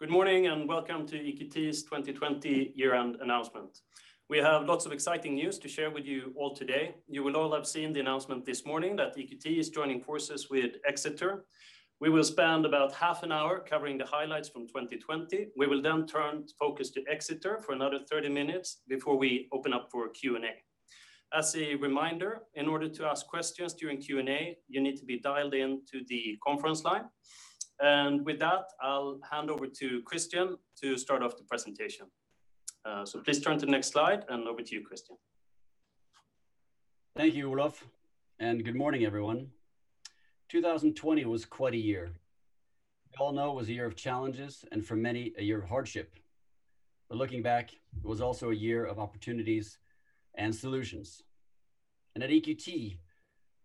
Good morning? Welcome to EQT's 2020 year-end announcement. We have lots of exciting news to share with you all today. You will all have seen the announcement this morning that EQT is joining forces with Exeter. We will spend about half an hour covering the highlights from 2020. We will turn focus to Exeter for another 30 minutes before we open up for Q&A. As a reminder, in order to ask questions during Q&A, you need to be dialed into the conference line. With that, I'll hand over to Christian to start off the presentation. Please turn to the next slide, over to you, Christian. Thank you, Olof, good morning, everyone. 2020 was quite a year. We all know it was a year of challenges, and for many, a year of hardship. Looking back, it was also a year of opportunities and solutions. At EQT,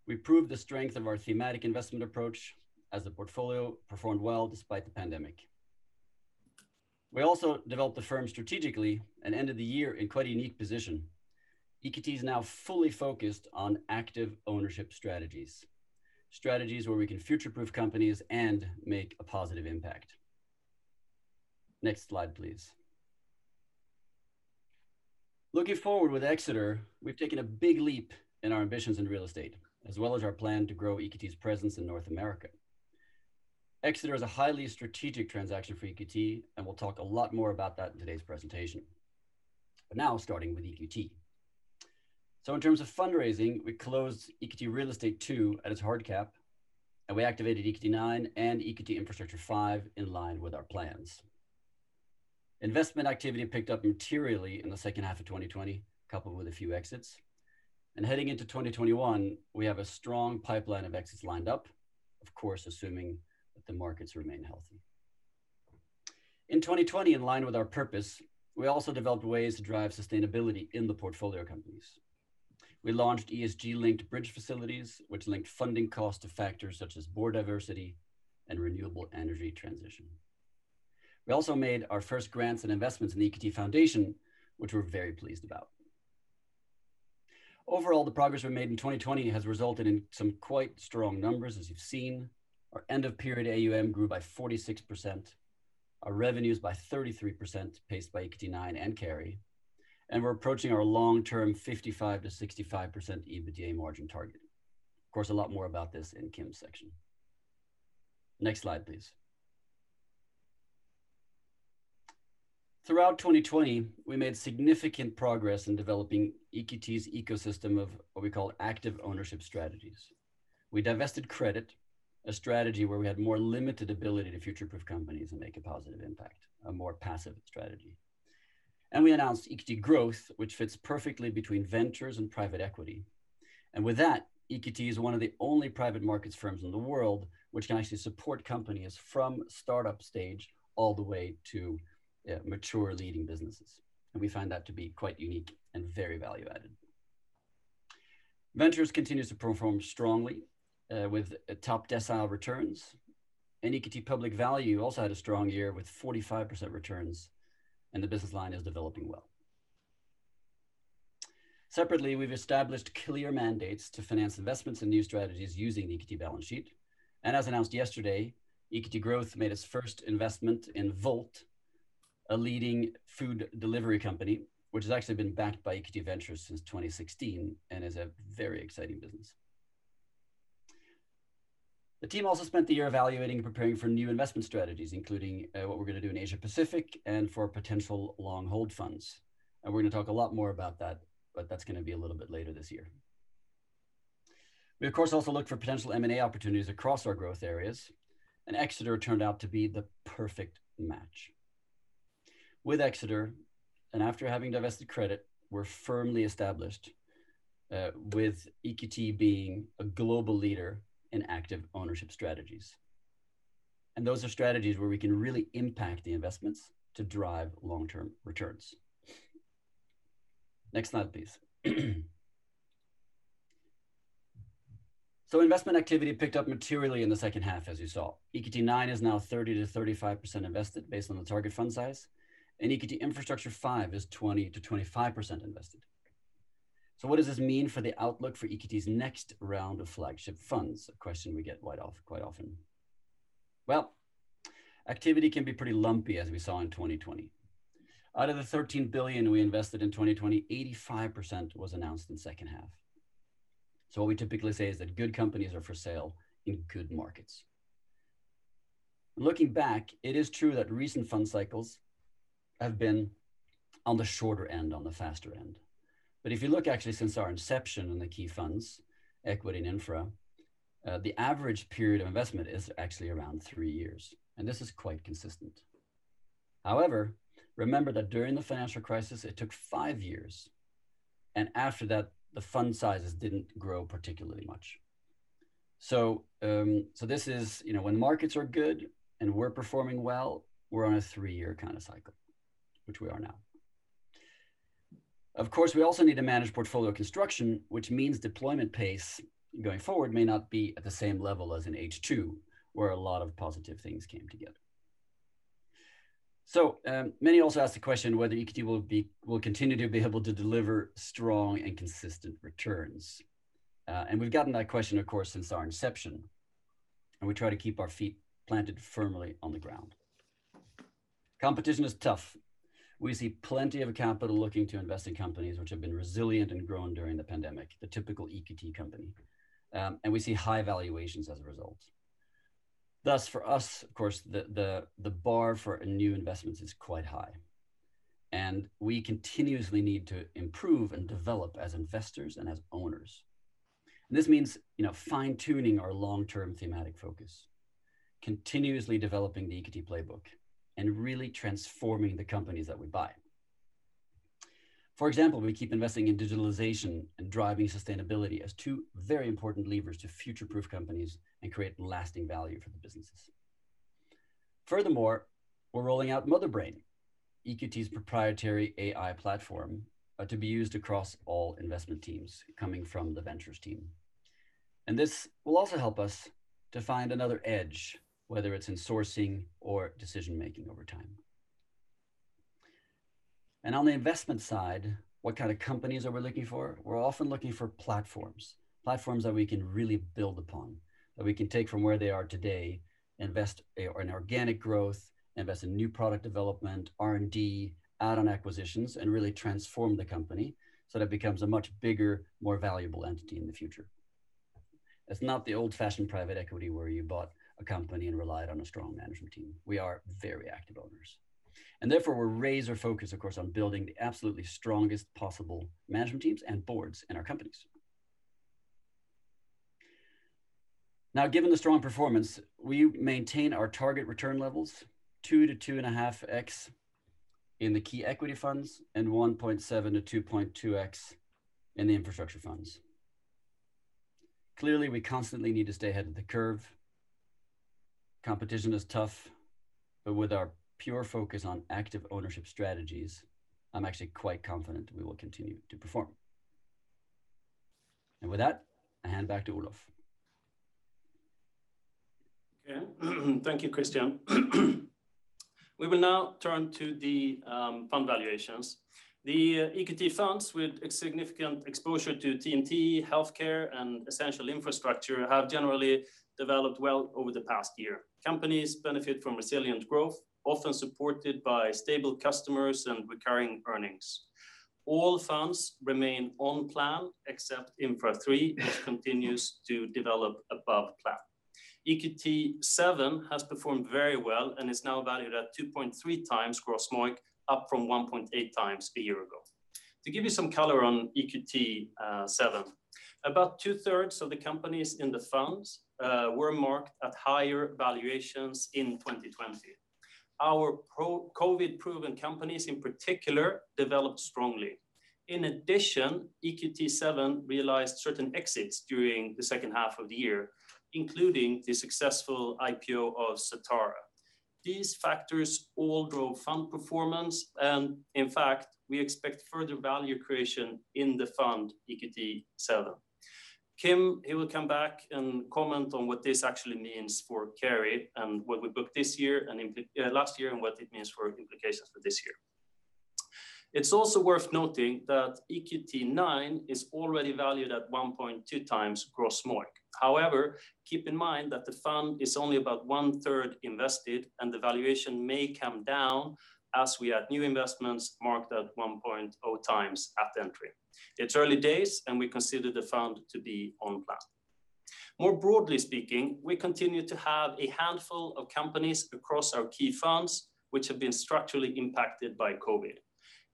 we proved the strength of our thematic investment approach as the portfolio performed well despite the pandemic. We also developed the firm strategically and ended the year in quite a unique position. EQT is now fully focused on active ownership strategies where we can future-proof companies and make a positive impact. Next slide, please. Looking forward with Exeter, we've taken a big leap in our ambitions in real estate, as well as our plan to grow EQT's presence in North America. Exeter is a highly strategic transaction for EQT, we'll talk a lot more about that in today's presentation. Now starting with EQT. In terms of fundraising, we closed EQT Real Estate II at its hard cap, we activated EQT IX and EQT Infrastructure V in line with our plans. Investment activity picked up materially in the second half of 2020, coupled with a few exits. Heading into 2021, we have a strong pipeline of exits lined up, of course, assuming that the markets remain healthy. In 2020, in line with our purpose, we also developed ways to drive sustainability in the portfolio companies. We launched ESG-linked bridge facilities, which linked funding cost to factors such as board diversity and renewable energy transition. We also made our first grants and investments in the EQT Foundation, which we're very pleased about. Overall, the progress we made in 2020 has resulted in some quite strong numbers, as you've seen. Our end-of-period AUM grew by 46%, our revenues by 33% paced by EQT IX and carry. We're approaching our long-term 55%-65% EBITDA margin target. Of course, a lot more about this in Kim's section. Next slide, please. Throughout 2020, we made significant progress in developing EQT's ecosystem of what we call active ownership strategies. We divested credit, a strategy where we had more limited ability to future-proof companies and make a positive impact, a more passive strategy. We announced EQT Growth, which fits perfectly between ventures and private equity. With that, EQT is one of the only private markets firms in the world which can actually support companies from startup stage all the way to mature leading businesses, and we find that to be quite unique and very value-added. Ventures continues to perform strongly with top decile returns, and EQT Public Value also had a strong year with 45% returns, and the business line is developing well. Separately, we've established clear mandates to finance investments in new strategies using EQT balance sheet. As announced yesterday, EQT Growth made its first investment in Wolt, a leading food delivery company, which has actually been backed by EQT Ventures since 2016 and is a very exciting business. The team also spent the year evaluating and preparing for new investment strategies, including what we're going to do in Asia-Pacific and for potential long-hold funds. We're going to talk a lot more about that, but that's going to be a little bit later this year. We of course also looked for potential M&A opportunities across our growth areas, and Exeter turned out to be the perfect match. With Exeter, and after having divested credit, we're firmly established with EQT being a global leader in active ownership strategies. Those are strategies where we can really impact the investments to drive long-term returns. Next slide, please. Investment activity picked up materially in the second half, as you saw. EQT IX is now 30%-35% invested based on the target fund size, and EQT Infrastructure V is 20%-25% invested. What does this mean for the outlook for EQT's next round of flagship funds? A question we get quite often. Activity can be pretty lumpy, as we saw in 2020. Out of the 13 billion we invested in 2020, 85% was announced in the second half. What we typically say is that good companies are for sale in good markets. Looking back, it is true that recent fund cycles have been on the shorter end, on the faster end. If you look actually since our inception in the key funds, equity and infra, the average period of investment is actually around three years, and this is quite consistent. However, remember that during the financial crisis, it took five years, and after that, the fund sizes didn't grow particularly much. This is when markets are good and we're performing well, we're on a three-year kind of cycle, which we are now. Of course, we also need to manage portfolio construction, which means deployment pace going forward may not be at the same level as in H2, where a lot of positive things came together. Many also ask the question whether EQT will continue to be able to deliver strong and consistent returns. We've gotten that question, of course, since our inception, and we try to keep our feet planted firmly on the ground. Competition is tough. We see plenty of capital looking to invest in companies which have been resilient and grown during the pandemic, the typical EQT company, and we see high valuations as a result. For us, of course, the bar for new investments is quite high, and we continuously need to improve and develop as investors and as owners. This means fine-tuning our long-term thematic focus, continuously developing the EQT playbook, and really transforming the companies that we buy. For example, we keep investing in digitalization and driving sustainability as two very important levers to future-proof companies and create lasting value for the businesses. We're rolling out Motherbrain, EQT's proprietary AI platform, to be used across all investment teams coming from the ventures team. This will also help us to find another edge, whether it's in sourcing or decision-making over time. On the investment side, what kind of companies are we looking for? We're often looking for platforms that we can really build upon, that we can take from where they are today, invest in organic growth, invest in new product development, R&D, add-on acquisitions, and really transform the company so that it becomes a much bigger, more valuable entity in the future. It's not the old-fashioned private equity where you bought a company and relied on a strong management team. We are very active owners. Therefore we raise our focus, of course, on building the absolutely strongest possible management teams and boards in our companies. Given the strong performance, we maintain our target return levels 2x-2.5x in the key equity funds and 1.7x-2.2x in the infrastructure funds. Clearly, we constantly need to stay ahead of the curve. Competition is tough, but with our pure focus on active ownership strategies, I'm actually quite confident we will continue to perform. With that, I hand back to Olof. Okay. Thank you, Christian. We will now turn to the fund valuations. The EQT funds with significant exposure to TMT, healthcare, and essential infrastructure have generally developed well over the past year. Companies benefit from resilient growth, often supported by stable customers and recurring earnings. All funds remain on plan except EQT Infrastructure III, which continues to develop above plan. EQT VII has performed very well and is now valued at 2.3x gross MOIC, up from 1.8x a year ago. To give you some color on EQT VII, about two-thirds of the companies in the funds were marked at higher valuations in 2020. Our COVID-proven companies in particular developed strongly. In addition, EQT VII realized certain exits during the second half of the year, including the successful IPO of Certara. These factors all grow fund performance and, in fact, we expect further value creation in the fund EQT VII. Kim, he will come back and comment on what this actually means for carry and what we booked last year, and what it means for implications for this year. It's also worth noting that EQT IX is already valued at 1.2x gross MOIC. However, keep in mind that the fund is only about one-third invested and the valuation may come down as we add new investments marked at 1.0x at entry. It's early days and we consider the fund to be on plan. More broadly speaking, we continue to have a handful of companies across our key funds which have been structurally impacted by COVID.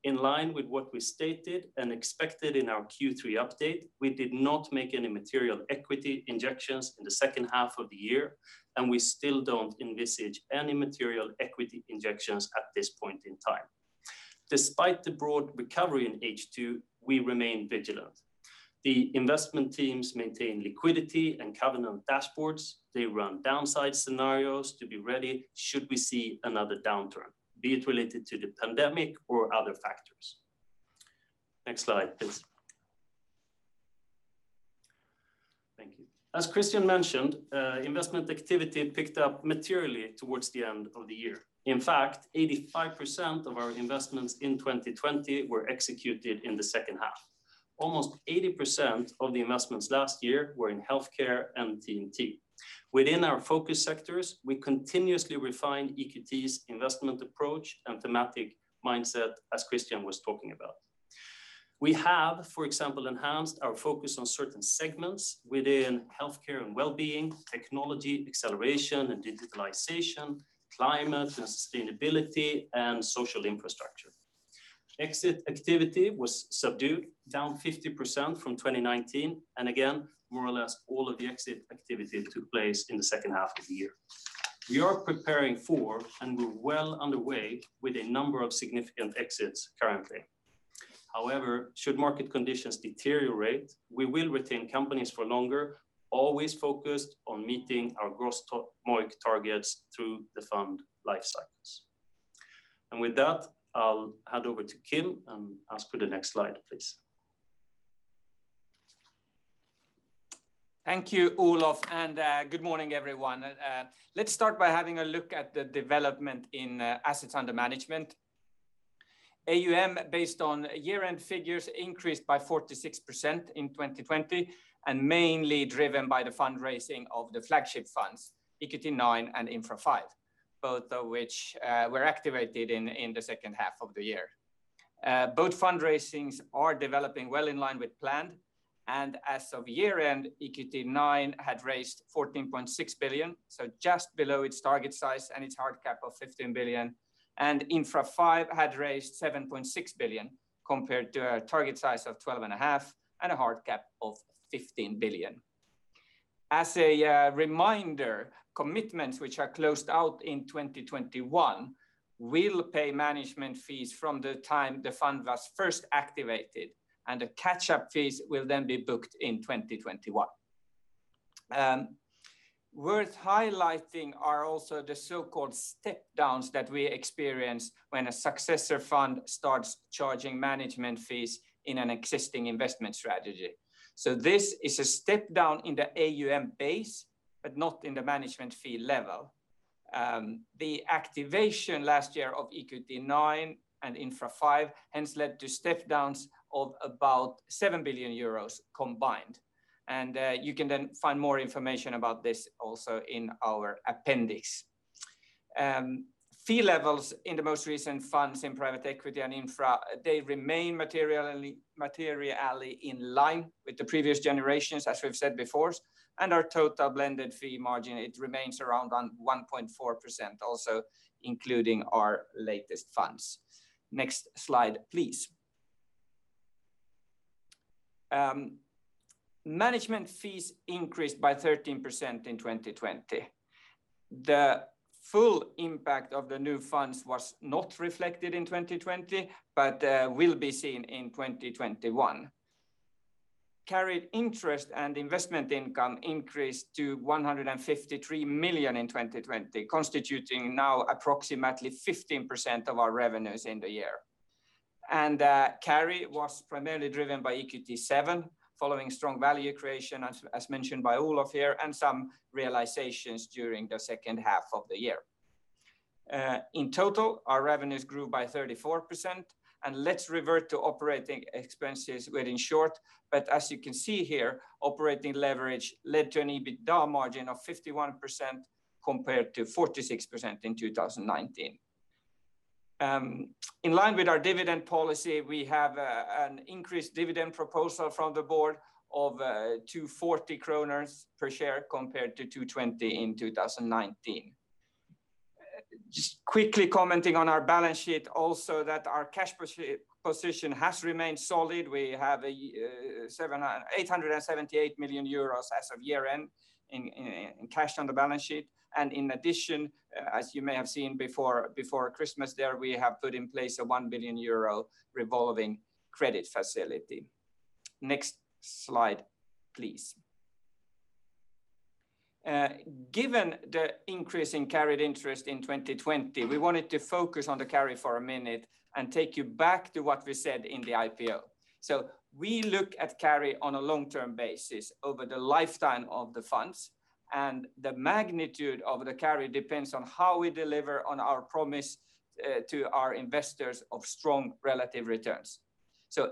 In line with what we stated and expected in our Q3 update, we did not make any material equity injections in the second half of the year, and we still don't envisage any material equity injections at this point in time. Despite the broad recovery in H2, we remain vigilant. The investment teams maintain liquidity and covenant dashboards. They run downside scenarios to be ready should we see another downturn, be it related to the pandemic or other factors. Next slide, please. Thank you. As Christian mentioned, investment activity picked up materially towards the end of the year. In fact, 85% of our investments in 2020 were executed in the second half. Almost 80% of the investments last year were in healthcare and TMT. Within our focus sectors, we continuously refined EQT's investment approach and thematic mindset as Christian was talking about. We have, for example, enhanced our focus on certain segments within healthcare and wellbeing, technology acceleration and digitalization, climate and sustainability, and social infrastructure. Exit activity was subdued, down 50% from 2019, and again, more or less all of the exit activity took place in the second half of the year. We are preparing for and we're well underway with a number of significant exits currently. However, should market conditions deteriorate, we will retain companies for longer, always focused on meeting our gross MOIC targets through the fund lifecycles. With that, I'll hand over to Kim and ask for the next slide, please. Thank you, Olof, and good morning, everyone? Let's start by having a look at the development in assets under management. AUM based on year-end figures increased by 46% in 2020 and mainly driven by the fundraising of the flagship funds, EQT IX and EQT Infrastructure V, both of which were activated in the second half of the year. Both fundraisings are developing well in line with plan. As of year-end, EQT IX had raised 14.6 billion, so just below its target size and its hard cap of 15 billion. EQT Infrastructure V had raised 7.6 billion compared to a target size of 12.5 billion and a hard cap of 15 billion. As a reminder, commitments which are closed out in 2021 will pay management fees from the time the fund was first activated, and the catch-up fees will then be booked in 2021. Worth highlighting are also the so-called step downs that we experience when a successor fund starts charging management fees in an existing investment strategy. This is a step down in the AUM base, but not in the management fee level. The activation last year of EQT IX and Infrastructure V hence led to step downs of about 7 billion euros combined. You can then find more information about this also in our appendix. Fee levels in the most recent funds in private equity and Infra, they remain materially in line with the previous generations, as we've said before. Our total blended fee margin, it remains around on 1.4%, also including our latest funds. Next slide, please. Management fees increased by 13% in 2020. The full impact of the new funds was not reflected in 2020 but will be seen in 2021. Carried interest and investment income increased to 153 million in 2020, constituting now approximately 15% of our revenues in the year. Carry was primarily driven by EQT VII, following strong value creation, as mentioned by Olof here, and some realizations during the second half of the year. In total, our revenues grew by 34%. Let's revert to operating expenses very short. As you can see here, operating leverage led to an EBITDA margin of 51% compared to 46% in 2019. In line with our dividend policy, we have an increased dividend proposal from the Board of 2.40 kronor per share compared to 2.20 in 2019. Just quickly commenting on our balance sheet also that our cash position has remained solid. We have 878 million euros as of year-end in cash on the balance sheet. In addition, as you may have seen before Christmas there, we have put in place a 1 billion euro revolving credit facility. Next slide, please. Given the increase in carried interest in 2020, we wanted to focus on the carry for a minute and take you back to what we said in the IPO. We look at carry on a long-term basis over the lifetime of the funds, and the magnitude of the carry depends on how we deliver on our promise to our investors of strong relative returns.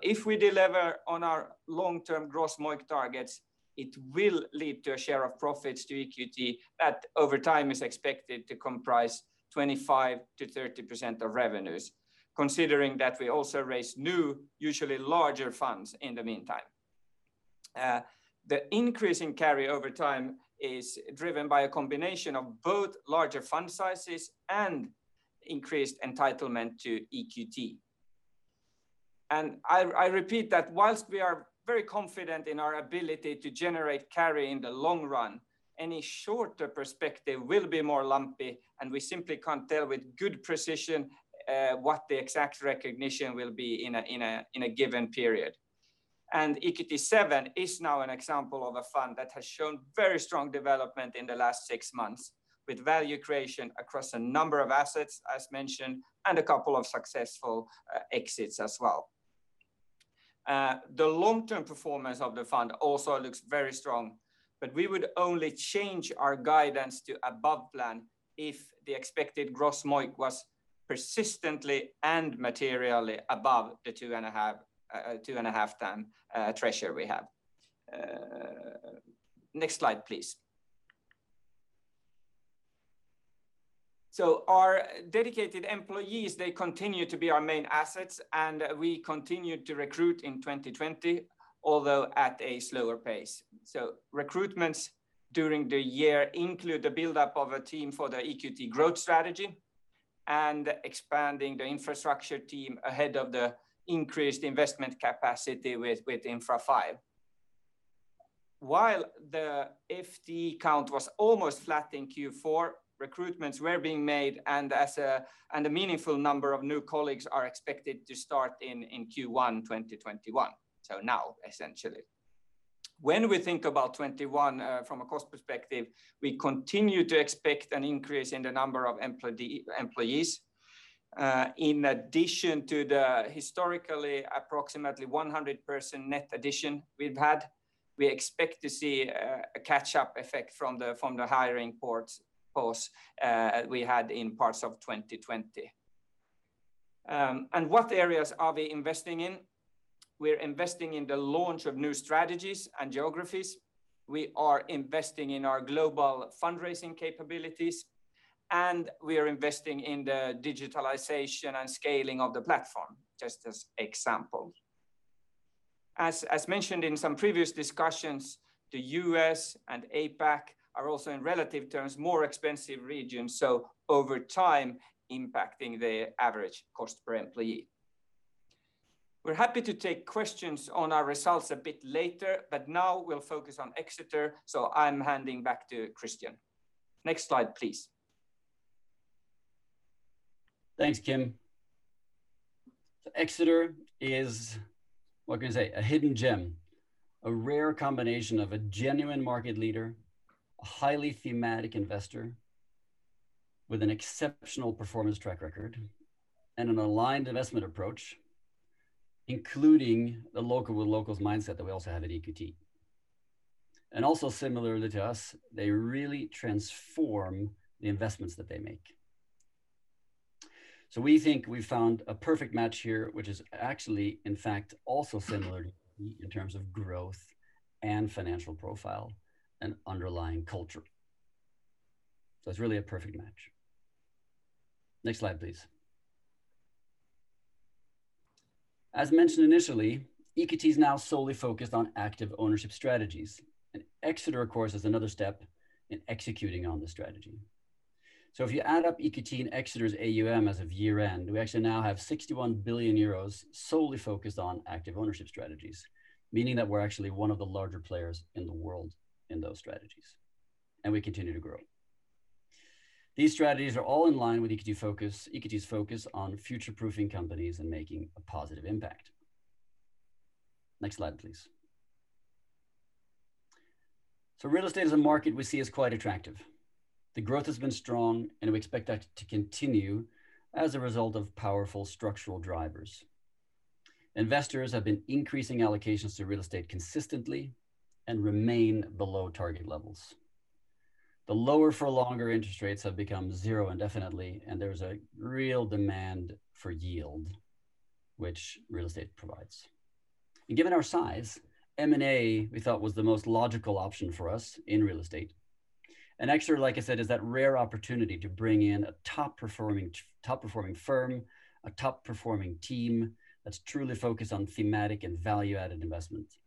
If we deliver on our long-term gross MOIC targets, it will lead to a share of profits to EQT that over time is expected to comprise 25%-30% of revenues, considering that we also raise new, usually larger funds in the meantime. The increase in carry over time is driven by a combination of both larger fund sizes and increased entitlement to EQT. I repeat that whilst we are very confident in our ability to generate carry in the long run, any shorter perspective will be more lumpy, and we simply can't tell with good precision what the exact recognition will be in a given period. EQT VII is now an example of a fund that has shown very strong development in the last six months with value creation across a number of assets, as mentioned, and a couple of successful exits as well. The long-term performance of the fund also looks very strong, but we would only change our guidance to above plan if the expected gross MOIC was persistently and materially above the 2.5x threshold we have. Next slide, please. Our dedicated employees, they continue to be our main assets, and we continued to recruit in 2020, although at a slower pace. Recruitments during the year include the buildup of a team for the EQT Growth strategy and expanding the infrastructure team ahead of the increased investment capacity with Infrastructure V. While the FTE count was almost flat in Q4, recruitments were being made and a meaningful number of new colleagues are expected to start in Q1 2021. Now, essentially. When we think about 2021 from a cost perspective, we continue to expect an increase in the number of employees. In addition to the historically approximately 100-person net addition we've had, we expect to see a catch-up effect from the hiring pause we had in parts of 2020. What areas are we investing in? We're investing in the launch of new strategies and geographies. We are investing in our global fundraising capabilities, and we are investing in the digitalization and scaling of the platform, just as examples. As mentioned in some previous discussions, the U.S. and APAC are also in relative terms more expensive regions, so over time impacting the average cost per employee. We are happy to take questions on our results a bit later, but now we will focus on Exeter, so I am handing back to Christian. Next slide, please. Thanks, Kim. Exeter is, what can I say? A hidden gem. A rare combination of a genuine market leader, a highly thematic investor with an exceptional performance track record and an aligned investment approach, including the local with locals mindset that we also have at EQT. Similarly to us, they really transform the investments that they make. We think we've found a perfect match here, which is actually, in fact, also similar to EQT in terms of growth and financial profile and underlying culture. It's really a perfect match. Next slide, please. As mentioned initially, EQT is now solely focused on active ownership strategies, and Exeter, of course, is another step in executing on the strategy. If you add up EQT and Exeter's AUM as of year-end, we actually now have 61 billion euros solely focused on active ownership strategies, meaning that we're actually one of the larger players in the world in those strategies, and we continue to grow. These strategies are all in line with EQT's focus on future-proofing companies and making a positive impact. Next slide, please. Real estate as a market we see as quite attractive. The growth has been strong, and we expect that to continue as a result of powerful structural drivers. Investors have been increasing allocations to real estate consistently and remain below target levels. The lower for longer interest rates have become zero indefinitely, and there's a real demand for yield, which real estate provides. Given our size, M&A, we thought, was the most logical option for us in real estate. Exeter, like I said, is that rare opportunity to bring in a top-performing firm, a top-performing team that's truly focused on thematic and value-added investments,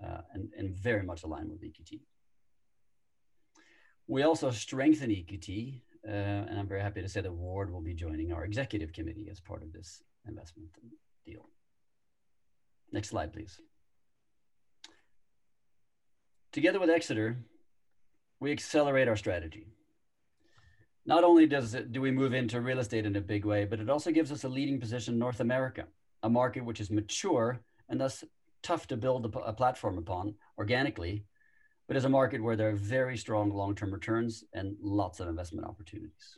and very much aligned with EQT. We also strengthen EQT, and I'm very happy to say that Ward will be joining our Executive Committee as part of this investment deal. Next slide, please. Together with Exeter, we accelerate our strategy. Not only do we move into real estate in a big way, but it also gives us a leading position in North America, a market which is mature and thus tough to build a platform upon organically, but is a market where there are very strong long-term returns and lots of investment opportunities.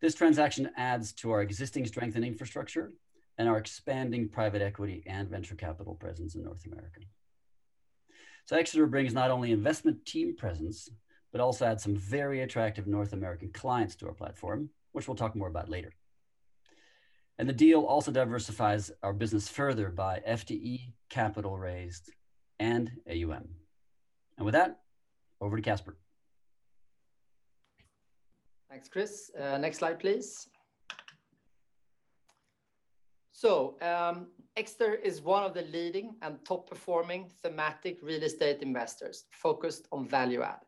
This transaction adds to our existing strength and infrastructure and our expanding private equity and venture capital presence in North America. Exeter brings not only investment team presence but also adds some very attractive North American clients to our platform, which we'll talk more about later. The deal also diversifies our business further by FTE capital raised and AUM. With that, over to Casper. Thanks, Chris. Next slide, please. Exeter is one of the leading and top-performing thematic real estate investors focused on value-add.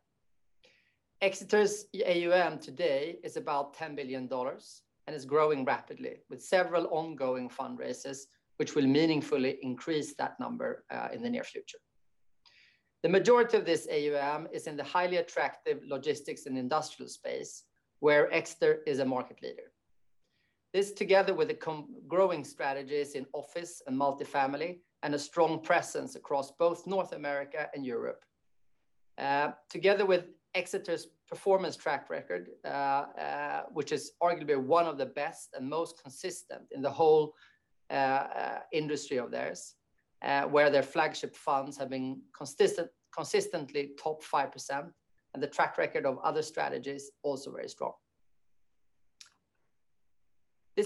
Exeter's AUM today is about $10 billion and is growing rapidly with several ongoing fundraisers, which will meaningfully increase that number in the near future. The majority of this AUM is in the highly attractive logistics and industrial space where Exeter is a market leader. This, together with the growing strategies in office and multi-family and a strong presence across both North America and Europe, and together with Exeter's performance track record, which is arguably one of the best and most consistent in the whole industry of theirs where their flagship funds have been consistently top 5% and the track record of other strategies also very strong,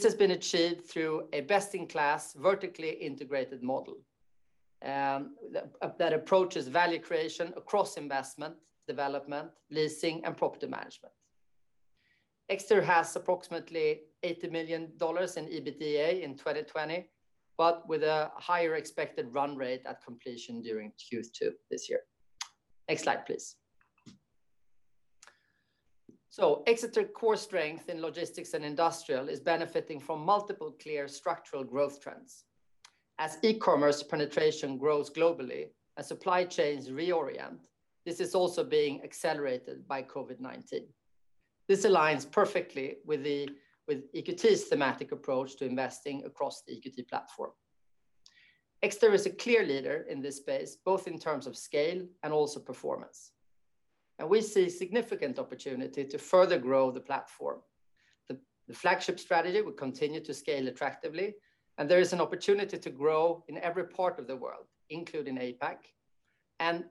has been achieved through a best-in-class, vertically-integrated model that approaches value creation across investment, development, leasing, and property management. Exeter has approximately $80 million in EBITDA in 2020, with a higher expected run rate at completion during Q2 this year. Next slide, please. Exeter core strength in logistics and industrial is benefiting from multiple clear structural growth trends. As e-commerce penetration grows globally and supply chains reorient, this is also being accelerated by COVID-19. This aligns perfectly with EQT's thematic approach to investing across the EQT platform. Exeter is a clear leader in this space, both in terms of scale and also performance. We see significant opportunity to further grow the platform. The flagship strategy will continue to scale attractively, and there is an opportunity to grow in every part of the world, including APAC.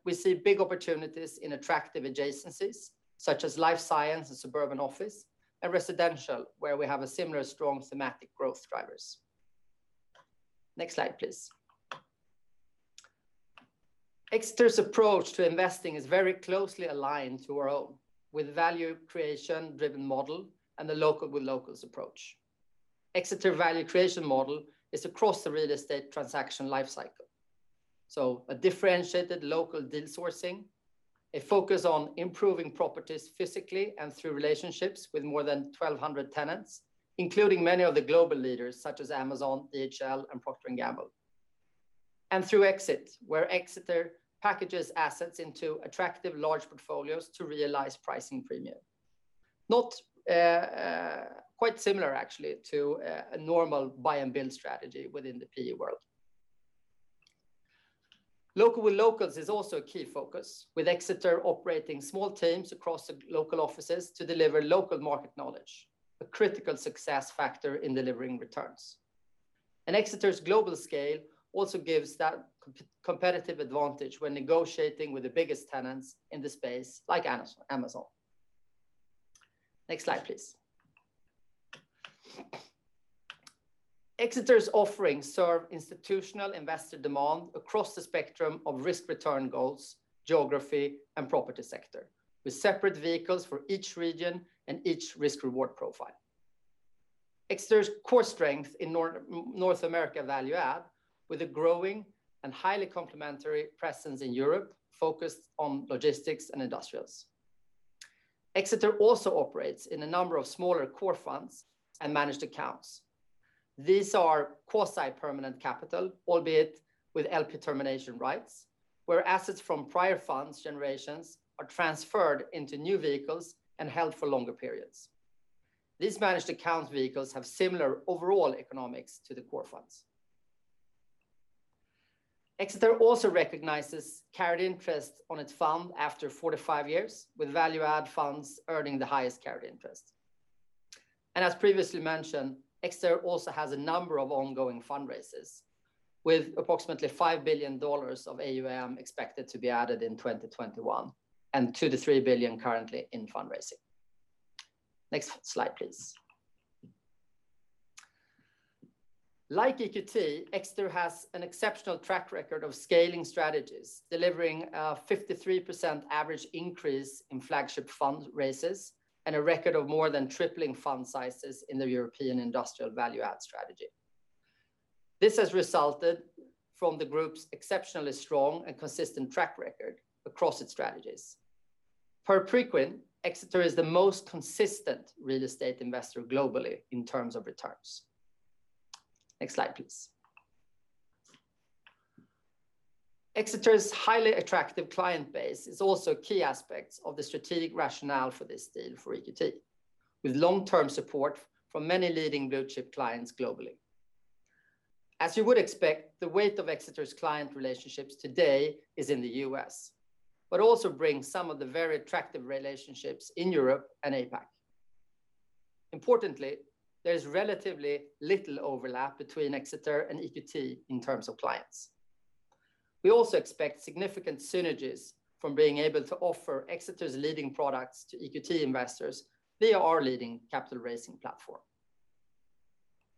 We see big opportunities in attractive adjacencies, such as life science and suburban office and residential, where we have similar strong thematic growth drivers. Next slide, please. Exeter's approach to investing is very closely aligned to our own, with value creation-driven model and the local with locals approach. Exeter value creation model is across the real estate transaction life cycle. A differentiated local deal sourcing, a focus on improving properties physically and through relationships with more than 1,200 tenants, including many of the global leaders such as Amazon, DHL, and Procter & Gamble. Through exit, where Exeter packages assets into attractive large portfolios to realize pricing premium. Quite similar actually to a normal buy and build strategy within the PE world. Local with locals is also a key focus, with Exeter operating small teams across the local offices to deliver local market knowledge, a critical success factor in delivering returns. Exeter's global scale also gives that competitive advantage when negotiating with the biggest tenants in the space like Amazon. Next slide, please. Exeter's offerings serve institutional investor demand across the spectrum of risk return goals, geography, and property sector, with separate vehicles for each region and each risk reward profile. Exeter's core strength in North America value add, with a growing and highly complementary presence in Europe focused on logistics and industrials. Exeter also operates in a number of smaller core funds and managed accounts. These are quasi permanent capital, albeit with LP termination rights, where assets from prior funds generations are transferred into new vehicles and held for longer periods. These managed account vehicles have similar overall economics to the core funds. Exeter also recognizes carried interest on its fund after four to five years, with value add funds earning the highest carried interest. As previously mentioned, Exeter also has a number of ongoing fundraises, with approximately $5 billion of AUM expected to be added in 2021, and $2 billion-$3 billion currently in fundraising. Next slide, please. Like EQT, Exeter has an exceptional track record of scaling strategies, delivering a 53% average increase in flagship fundraises, and a record of more than tripling fund sizes in the European industrial value add strategy. This has resulted from the group's exceptionally strong and consistent track record across its strategies. Per Preqin, Exeter is the most consistent real estate investor globally in terms of returns. Next slide, please. Exeter's highly attractive client base is also a key aspect of the strategic rationale for this deal for EQT, with long-term support from many leading blue-chip clients globally. As you would expect, the weight of Exeter's client relationships today is in the U.S., but also brings some of the very attractive relationships in Europe and APAC. Importantly, there's relatively little overlap between Exeter and EQT in terms of clients. We also expect significant synergies from being able to offer Exeter's leading products to EQT investors via our leading capital raising platform.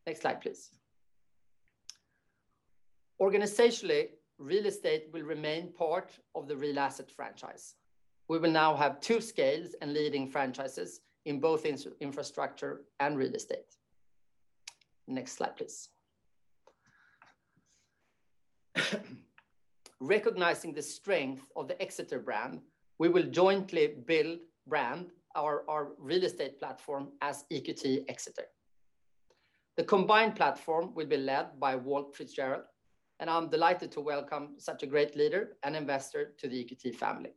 Next slide, please. Organizationally, real estate will remain part of the Real Assets franchise. We will now have two scales and leading franchises in both infrastructure and real estate. Next slide, please. Recognizing the strength of the Exeter brand, we will jointly build brand our real estate platform as EQT Exeter. The combined platform will be led by Ward Fitzgerald, and I'm delighted to welcome such a great leader and investor to the EQT family.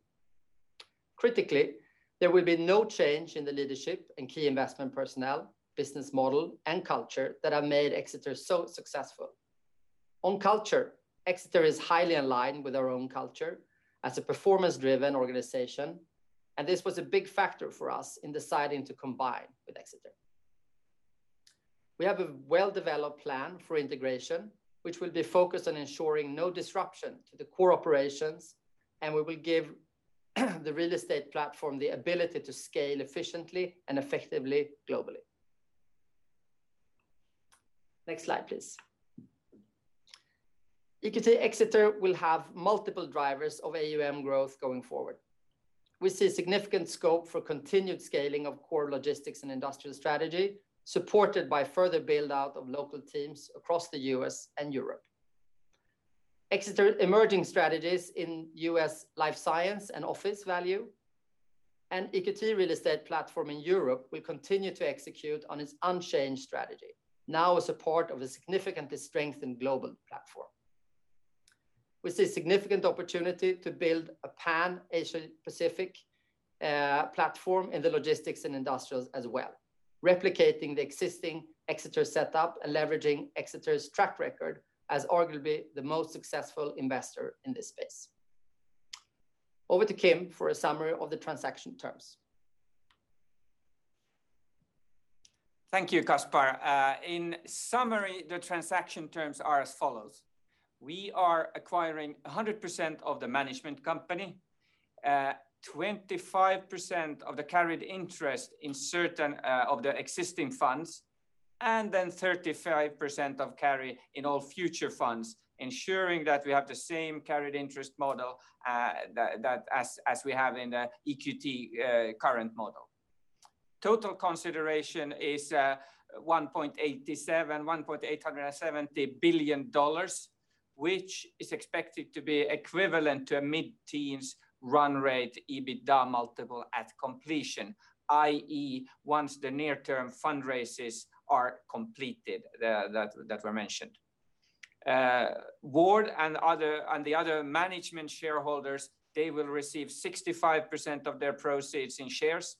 Critically, there will be no change in the leadership and key investment personnel, business model, and culture that have made Exeter so successful. On culture, Exeter is highly aligned with our own culture as a performance-driven organization, and this was a big factor for us in deciding to combine with Exeter. We have a well-developed plan for integration, which will be focused on ensuring no disruption to the core operations, and we will give the real estate platform the ability to scale efficiently and effectively globally. Next slide, please. EQT Exeter will have multiple drivers of AUM growth going forward. We see significant scope for continued scaling of core logistics and industrial strategy, supported by further build-out of local teams across the U.S. and Europe. Exeter emerging strategies in U.S. life science and office value, and EQT Real Estate platform in Europe will continue to execute on its unchanged strategy, now as a part of a significantly strengthened global platform. We see significant opportunity to build a pan Asia-Pacific platform in the logistics and industrials as well, replicating the existing Exeter setup and leveraging Exeter's track record as arguably the most successful investor in this space. Over to Kim for a summary of the transaction terms. Thank you, Casper. In summary, the transaction terms are as follows. We are acquiring 100% of the management company, 25% of the carried interest in certain of the existing funds, and then 35% of carry in all future funds, ensuring that we have the same carried interest model as we have in the EQT current model. Total consideration is $1.870 billion, which is expected to be equivalent to a mid-teens run rate EBITDA multiple at completion, i.e., once the near-term fundraisers are completed that were mentioned. Ward and the other management shareholders, they will receive 65% of their proceeds in shares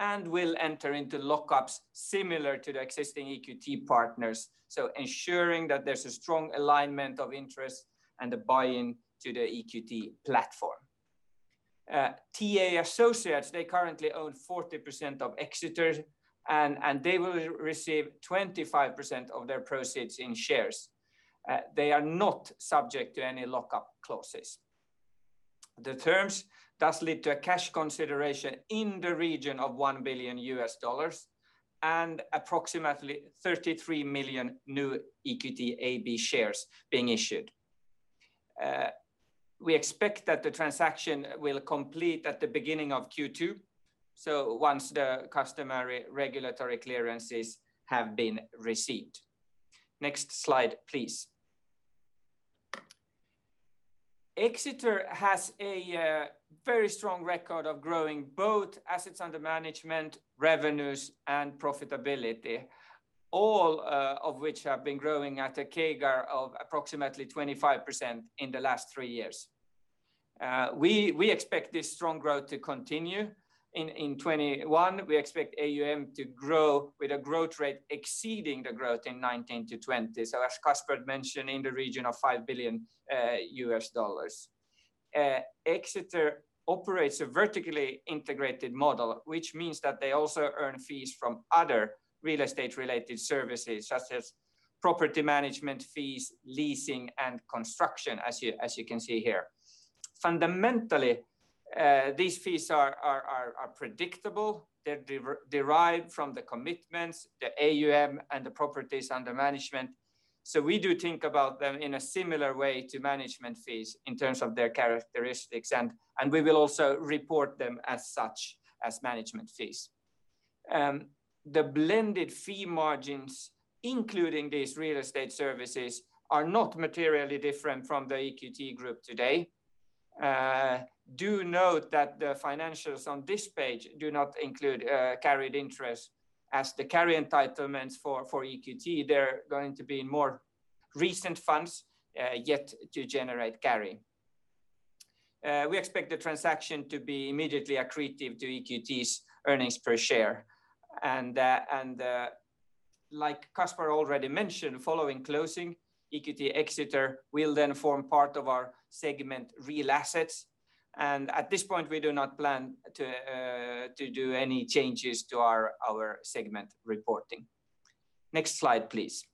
and will enter into lockups similar to the existing EQT partners. Ensuring that there's a strong alignment of interest and a buy-in to the EQT platform. TA Associates currently own 40% of Exeter, and they will receive 25% of their proceeds in shares. They are not subject to any lockup clauses. The terms thus lead to a cash consideration in the region of $1 billion and approximately 33 million new EQT AB shares being issued. We expect that the transaction will complete at the beginning of Q2. Once the customary regulatory clearances have been received. Next slide, please. Exeter has a very strong record of growing both assets under management, revenues, and profitability, all of which have been growing at a CAGR of approximately 25% in the last three years. We expect this strong growth to continue in 2021. We expect AUM to grow with a growth rate exceeding the growth in 2019 to 2020, as Casper mentioned, in the region of $5 billion. Exeter operates a vertically integrated model, which means that they also earn fees from other real estate-related services, such as property management fees, leasing, and construction, as you can see here. Fundamentally, these fees are predictable. They're derived from the commitments, the AUM, and the properties under management. We do think about them in a similar way to management fees in terms of their characteristics, and we will also report them as such as management fees. The blended fee margins, including these real estate services, are not materially different from the EQT group today. Do note that the financials on this page do not include carried interest as the carry entitlements for EQT. They're going to be more recent funds yet to generate carry. We expect the transaction to be immediately accretive to EQT's earnings per share. Like Casper already mentioned, following closing, EQT Exeter will then form part of our segment Real Assets. At this point, we do not plan to do any changes to our segment reporting. Next slide, please.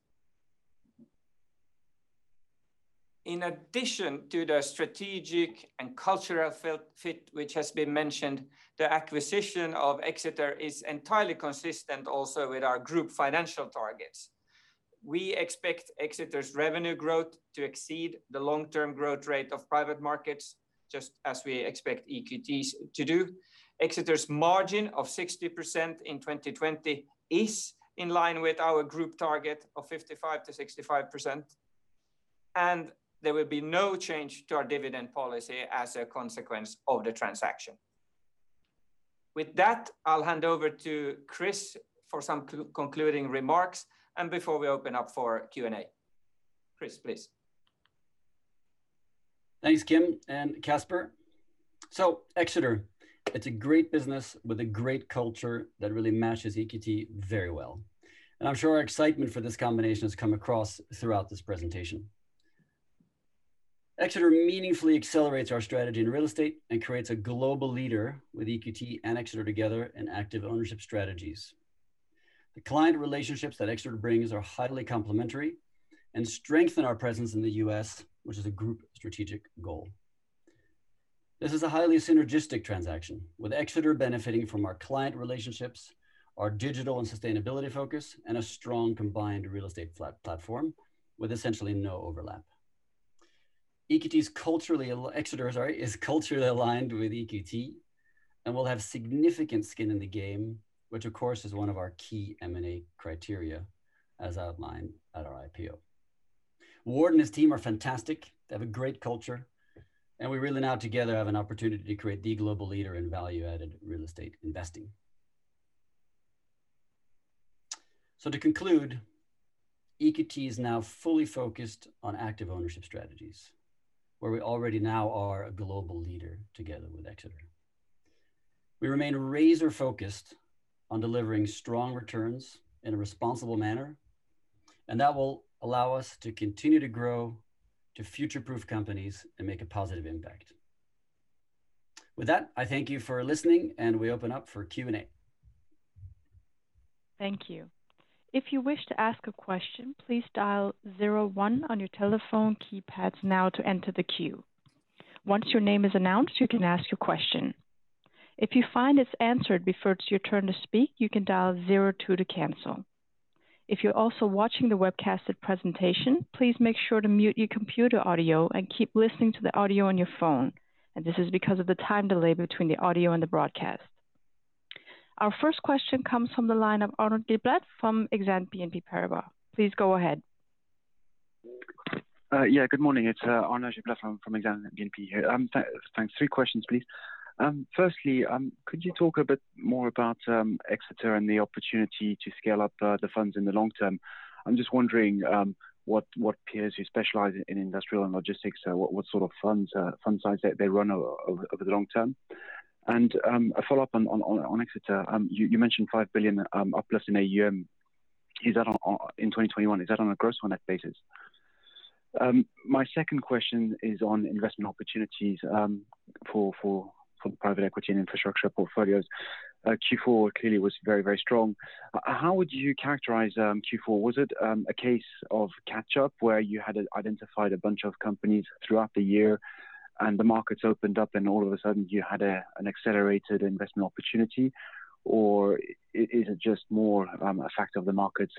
In addition to the strategic and cultural fit which has been mentioned, the acquisition of Exeter is entirely consistent also with our group financial targets. We expect Exeter's revenue growth to exceed the long-term growth rate of private markets, just as we expect EQT's to do. Exeter's margin of 60% in 2020 is in line with our group target of 55%-65%, and there will be no change to our dividend policy as a consequence of the transaction. With that, I'll hand over to Chris for some concluding remarks and before we open up for Q&A. Chris, please. Thanks, Kim and Casper. Exeter, it's a great business with a great culture that really matches EQT very well, and I'm sure our excitement for this combination has come across throughout this presentation. Exeter meaningfully accelerates our strategy in real estate and creates a global leader with EQT and Exeter together in active ownership strategies. The client relationships that Exeter brings are highly complementary and strengthen our presence in the U.S., which is a group strategic goal. This is a highly synergistic transaction, with Exeter benefiting from our client relationships, our digital and sustainability focus, and a strong combined real estate platform with essentially no overlap. Exeter is culturally aligned with EQT and will have significant skin in the game, which, of course, is one of our key M&A criteria as outlined at our IPO. Ward and his team are fantastic. They have a great culture, we really now together have an opportunity to create the global leader in value-added real estate investing. To conclude, EQT is now fully focused on active ownership strategies, where we already now are a global leader together with Exeter. We remain razor-focused on delivering strong returns in a responsible manner, that will allow us to continue to grow, to future-proof companies, and make a positive impact. With that, I thank you for listening, we open up for Q&A. Thank you. If you wish to ask a question, please dial zero one on your telephone keypads now to enter the queue. Once your name is announced, you can ask your question. If you find it's answered before it's your turn to speak, you can dial zero two to cancel. If you're also watching the webcasted presentation, please make sure to mute your computer audio and keep listening to the audio on your phone. This is because of the time delay between the audio and the broadcast. Our first question comes from the line of Arnaud Giblat from Exane BNP Paribas, please go ahead. Yeah, good morning? It's Arnaud Giblat from Exane BNP here. Thanks. Three questions, please. Firstly, could you talk a bit more about Exeter and the opportunity to scale up the funds in the long term? I'm just wondering what peers who specialize in industrial and logistics, what sort of fund size they run over the long term. A follow-up on Exeter. You mentioned $5 billion uplift in AUM in 2021. Is that on a gross or net basis? My second question is on investment opportunities for the private equity and infrastructure portfolios. Q4 clearly was very strong. How would you characterize Q4? Was it a case of catch-up where you had identified a bunch of companies throughout the year and the markets opened up and all of a sudden you had an accelerated investment opportunity? Is it just more a fact of the markets,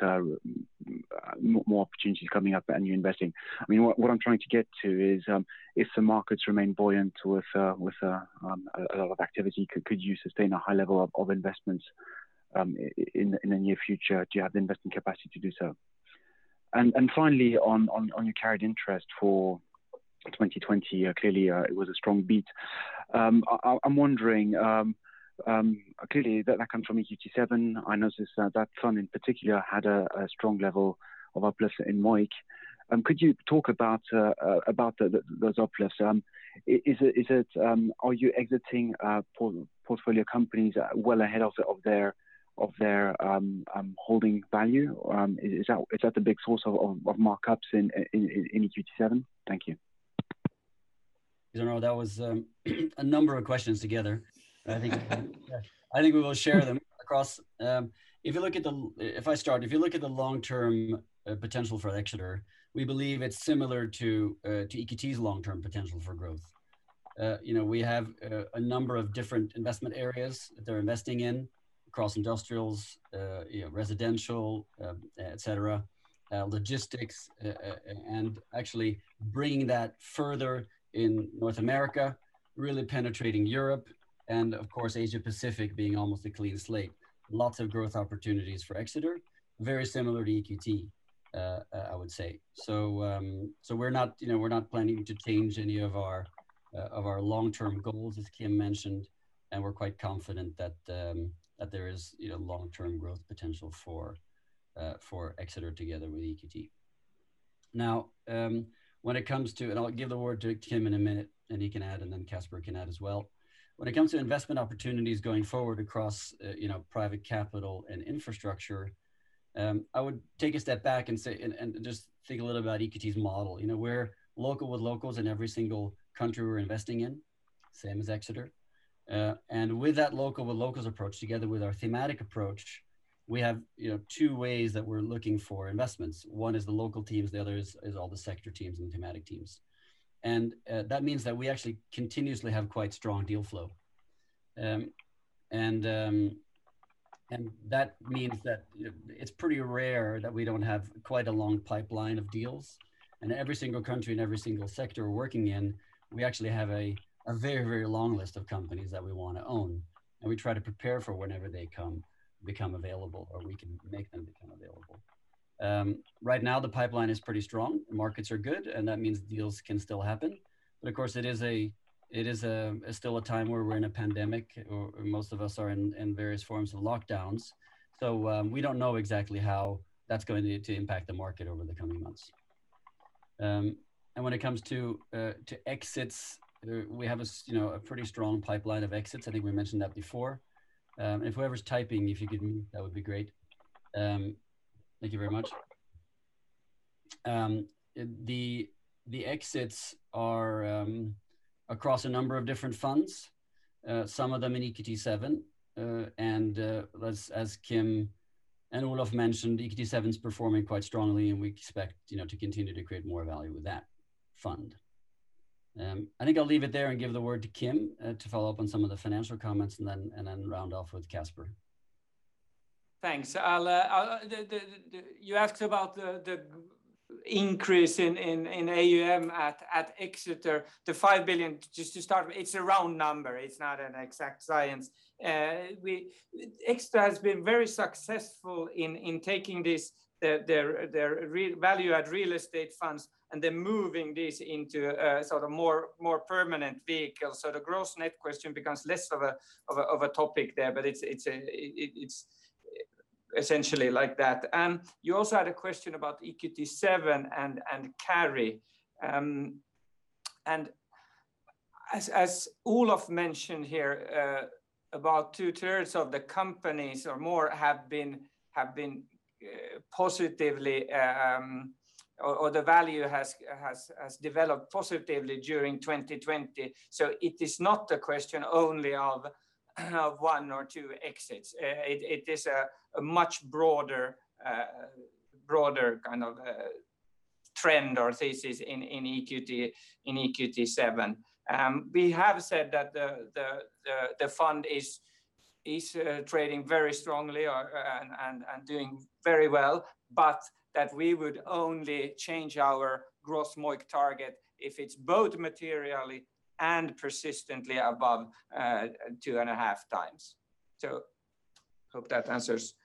more opportunities coming up and you're investing? What I'm trying to get to is, if the markets remain buoyant with a lot of activity, could you sustain a high level of investments in the near future? Do you have the investment capacity to do so? Finally, on your carried interest for 2020, clearly it was a strong beat. I'm wondering, clearly that comes from EQT VII. I noticed that fund in particular had a strong level of uplift in MOIC. Could you talk about those uplifts? Are you exiting portfolio companies well ahead of their holding value? Is that the big source of markups in EQT VII? Thank you. Arnaud, that was a number of questions together. I think we will share them across. If I start, if you look at the long-term potential for Exeter, we believe it's similar to EQT's long-term potential for growth. We have a number of different investment areas that they're investing in across industrials, residential, et cetera, logistics, and actually bringing that further in North America, really penetrating Europe, and of course, Asia Pacific being almost a clean slate. Lots of growth opportunities for Exeter. Very similar to EQT, I would say. We're not planning to change any of our long-term goals, as Kim mentioned, and we're quite confident that there is long-term growth potential for Exeter together with EQT. I'll give the word to Kim in a minute and he can add, and then Casper can add as well. When it comes to investment opportunities going forward across private capital and infrastructure, I would take a step back and just think a little about EQT's model. We're local with locals in every single country we're investing in, same as Exeter. With that local with locals approach, together with our thematic approach, we have two ways that we're looking for investments. One is the local teams, the other is all the sector teams and thematic teams. That means that we actually continuously have quite strong deal flow. That means that it's pretty rare that we don't have quite a long pipeline of deals. In every single country and every single sector we're working in, we actually have a very long list of companies that we want to own, and we try to prepare for whenever they become available, or we can make them become available. Right now, the pipeline is pretty strong. The markets are good, that means deals can still happen. Of course, it is still a time where we're in a pandemic, or most of us are in various forms of lockdowns. We don't know exactly how that's going to impact the market over the coming months. When it comes to exits, we have a pretty strong pipeline of exits. I think we mentioned that before. Whoever's typing, if you could mute, that would be great. Thank you very much. The exits are across a number of different funds, some of them in EQT VII. As Kim and Olof mentioned, EQT VII's performing quite strongly and we expect to continue to create more value with that fund. I think I'll leave it there and give the word to Kim to follow up on some of the financial comments, and then round off with Casper. Thanks. You asked about the increase in AUM at Exeter to $5 billion. Just to start with, it's a round number. It's not an exact science. Exeter has been very successful in taking their value-add real estate funds and then moving this into a more permanent vehicle. The gross net question becomes less of a topic there, but it's essentially like that. You also had a question about EQT VII and carry. As Olof mentioned here, about two-thirds of the companies or more have been positively, or the value has developed positively during 2020. It is not a question only of one or two exits. It is a much broader kind of trend or thesis in EQT VII. We have said that the fund is trading very strongly and doing very well, but that we would only change our gross MOIC target if it's both materially and persistently above 2.5x. Hope that answers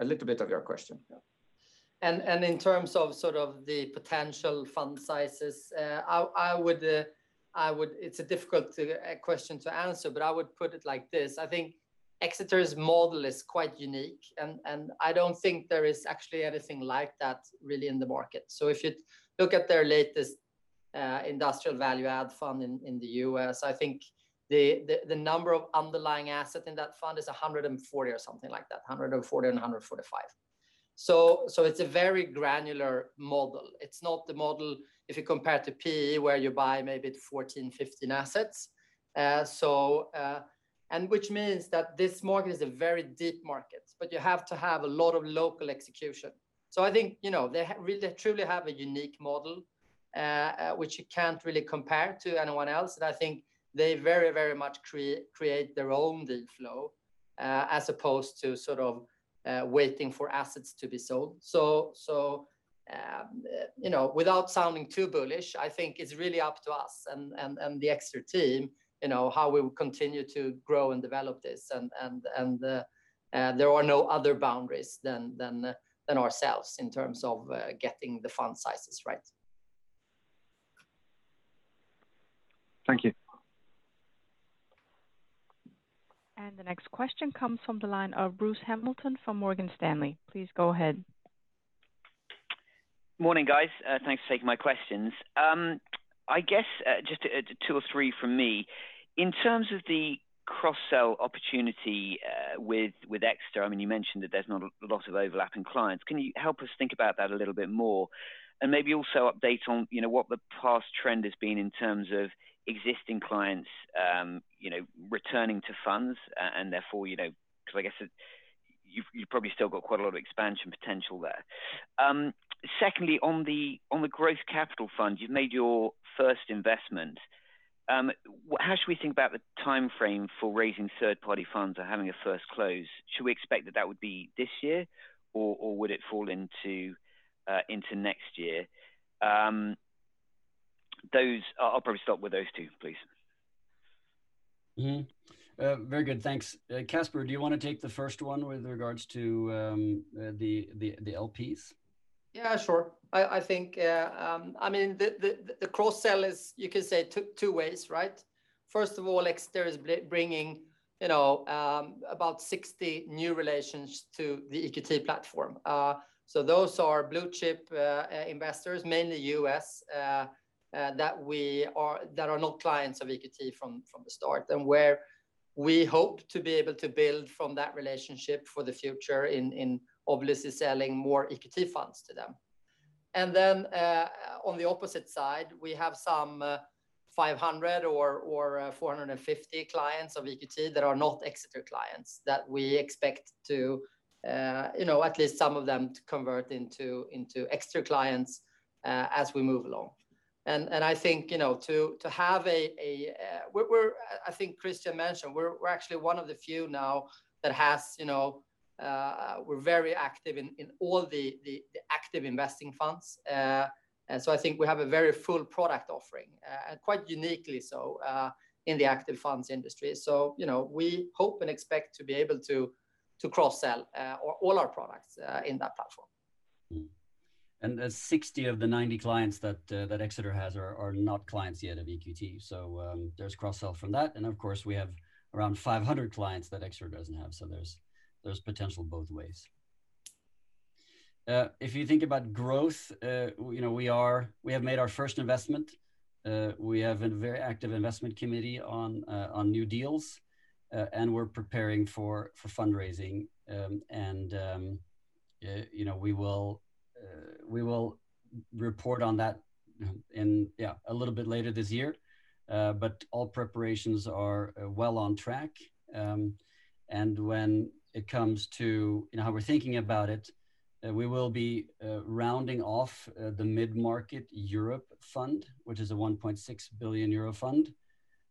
a little bit of your question. In terms of sort of the potential fund sizes, it's a difficult question to answer, but I would put it like this. I think Exeter's model is quite unique, and I don't think there is actually anything like that really in the market. If you look at their latest industrial value add fund in the U.S., I think the number of underlying assets in that fund is 140 or something like that, 140 or 145 assets. It's a very granular model. It's not the model if you compare to PE where you buy maybe 14 asset, 15 assets. Which means that this market is a very deep market, but you have to have a lot of local execution. I think they truly have a unique model, which you can't really compare to anyone else. I think they very much create their own deal flow as opposed to sort of waiting for assets to be sold. Without sounding too bullish, I think it's really up to us and the Exeter team how we will continue to grow and develop this and there are no other boundaries than ourselves in terms of getting the fund sizes right. Thank you. The next question comes from the line of Bruce Hamilton from Morgan Stanley, please go ahead. Morning guys? Thanks for taking my questions. I guess just two or three from me. In terms of the cross-sell opportunity with Exeter, you mentioned that there's not a lot of overlap in clients. Can you help us think about that a little bit more? Maybe also update on what the past trend has been in terms of existing clients returning to funds and therefore because I guess you've probably still got quite a lot of expansion potential there. Secondly, on the growth capital fund, you've made your first investment. How should we think about the timeframe for raising third-party funds or having a first close? Should we expect that that would be this year or would it fall into next year? I'll probably stop with those two, please. Mm-hmm. Very good. Thanks. Casper, do you want to take the first one with regards to the LPs? Yeah, sure. The cross-sell is, you could say two ways, right? First of all, Exeter is bringing about 60 new relations to the EQT platform. Those are blue-chip investors, mainly U.S., that are not clients of EQT from the start, and where we hope to be able to build from that relationship for the future in obviously selling more EQT funds to them. On the opposite side, we have some 500 clients or 450 clients of EQT that are not Exeter clients that we expect to at least some of them to convert into Exeter clients as we move along. I think Christian mentioned, we're actually one of the few now that we're very active in all the active investing funds. I think we have a very full product offering and quite uniquely so in the active funds industry. We hope and expect to be able to cross-sell all our products in that platform. The 60 of the 90 clients that Exeter has are not clients yet of EQT. There's cross-sell from that, and of course we have around 500 clients that Exeter doesn't have. There's potential both ways. If you think about growth, we have made our first investment. We have a very active investment committee on new deals and we're preparing for fundraising. We will report on that a little bit later this year. All preparations are well on track. When it comes to how we're thinking about it, we will be rounding off the mid-market Europe fund, which is a 1.6 billion euro fund,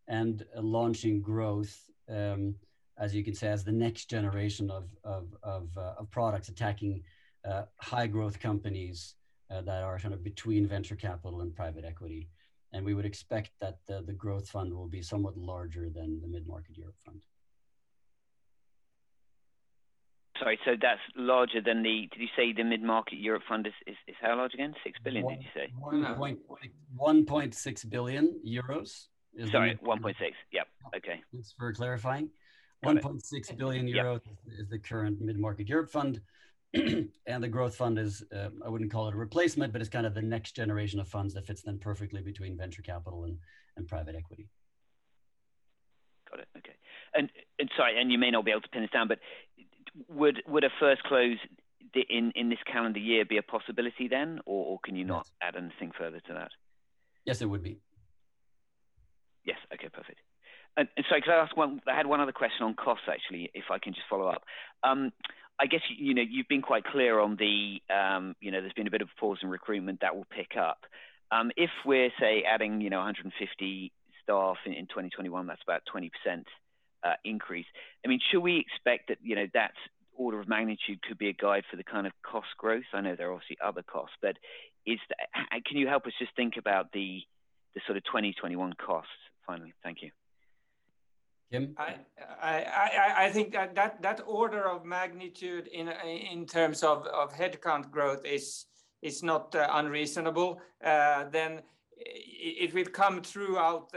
and launching growth as you could say as the next generation of products attacking high growth companies that are kind of between venture capital and private equity. We would expect that the Growth Fund will be somewhat larger than the Mid-Market Europe fund. Sorry, so that's larger than the, did you say the Mid-Market Europe fund is how large again? 6 billion, did you say? 1.6 billion euros. Sorry, 1.6 billion. Yep. Okay. Thanks for clarifying. 1.6 billion euros is the current Mid-Market Europe fund, and the EQT Growth fund is, I wouldn't call it a replacement, but it's kind of the next generation of funds that fits then perfectly between venture capital and private equity. Got it. Okay. Sorry, and you may not be able to pin this down, but would a first close in this calendar year be a possibility then? Can you not add anything further to that? Yes, it would be. Yes. Okay, perfect. Sorry, could I ask one, I had one other question on costs, actually, if I can just follow up. I guess you've been quite clear on there's been a bit of a pause in recruitment that will pick up. If we're, say, adding 150 staff in 2021, that's about 20% increase. Should we expect that order of magnitude to be a guide for the kind of cost growth? I know there are obviously other costs, can you help us just think about the sort of 2021 costs finally? Thank you. Kim? I think that order of magnitude in terms of headcount growth is not unreasonable. It will come throughout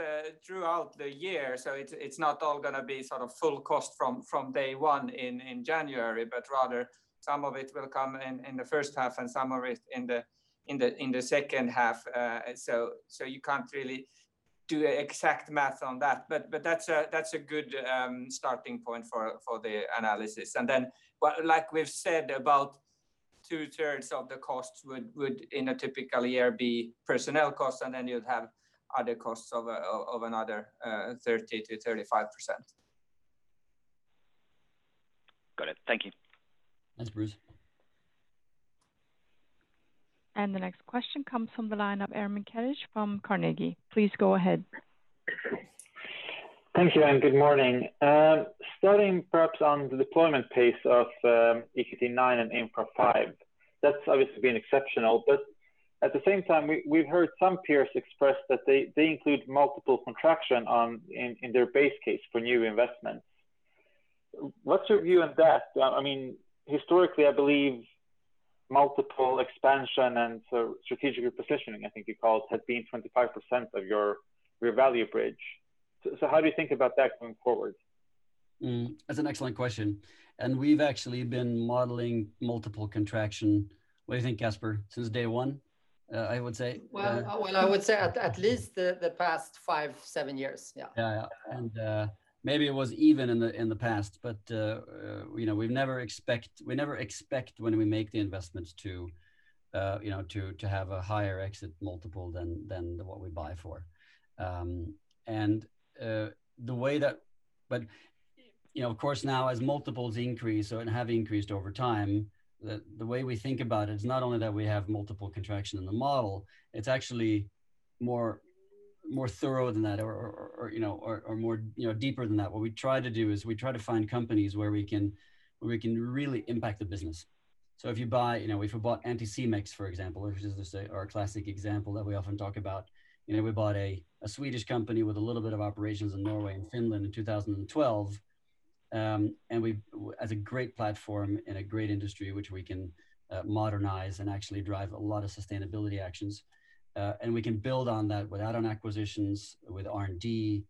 the year, so it's not all going to be sort of full cost from day one in January, but rather some of it will come in the first half and some of it in the second half. You can't really do exact math on that, but that's a good starting point for the analysis. Like we've said, about two-thirds of the costs would, in a typical year, be personnel costs, and then you'd have other costs of another 30%-35%. Got it. Thank you. Thanks, Bruce. The next question comes from the line of Ermin Keric from Carnegie, please go ahead. Thank you, and good morning? Starting perhaps on the deployment pace of EQT IX and Infra V, that's obviously been exceptional. At the same time, we've heard some peers express that they include multiple contraction in their base case for new investments. What's your view on that? Historically, I believe multiple expansion and strategic repositioning, I think you called, has been 25% of your value bridge. How do you think about that going forward? That's an excellent question. We've actually been modeling multiple contraction. What do you think, Casper? Since day one, I would say. Well, I would say at least the past five years, seven years. Yeah. Yeah. Maybe it was even in the past, but we never expect when we make the investments to have a higher exit multiple than what we buy for. Of course now as multiples increase, and have increased over time, the way we think about it is not only that we have multiple contraction in the model, it's actually more thorough than that or deeper than that. What we try to do is we try to find companies where we can really impact the business. If we bought Anticimex, for example, which is our classic example that we often talk about. We bought a Swedish company with a little bit of operations in Norway and Finland in 2012, and as a great platform in a great industry which we can modernize and actually drive a lot of sustainability actions. We can build on that with add-on acquisitions, with R&D,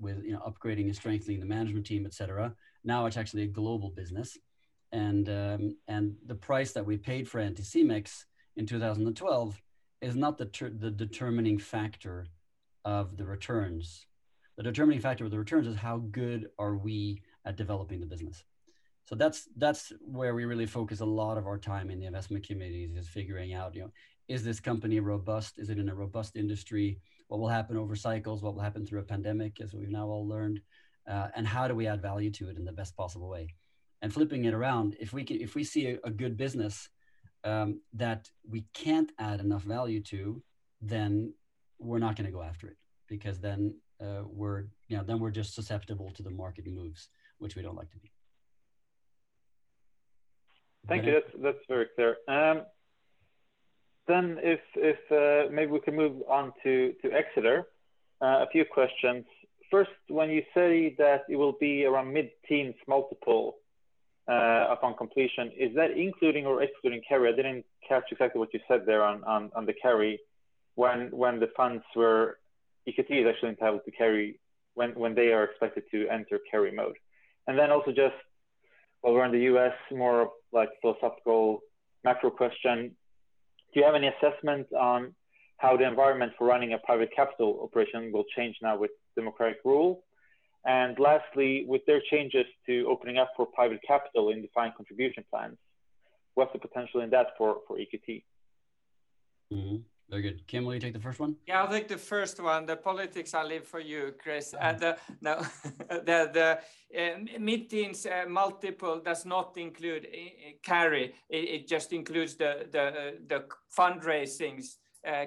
with upgrading and strengthening the management team, et cetera. It's actually a global business, and the price that we paid for Anticimex in 2012 is not the determining factor of the returns. The determining factor of the returns is how good are we at developing the business. That's where we really focus a lot of our time in the investment committees is figuring out, is this company robust? Is it in a robust industry? What will happen over cycles? What will happen through a pandemic, as we've now all learned? How do we add value to it in the best possible way? Flipping it around, if we see a good business that we can't add enough value to, then we're not going to go after it, because then we're just susceptible to the market moves, which we don't like to be. Thank you. That's very clear. If maybe we can move on to Exeter. A few questions. First, when you say that it will be around mid-teens multiple upon completion, is that including or excluding carry? I didn't catch exactly what you said there on the carry when the funds were, EQT is actually entitled to carry when they are expected to enter carry mode. Also just while we're in the U.S., more of philosophical macro question, do you have any assessment on how the environment for running a private capital operation will change now with democratic rule? Lastly, with their changes to opening up for private capital in defined contribution plans, what's the potential in that for EQT? Mm-hmm. Very good. Kim, will you take the first one? Yeah, I'll take the first one. The politics I leave for you, Chris, and the mid-teens multiple does not include carry. It just includes the fundraisings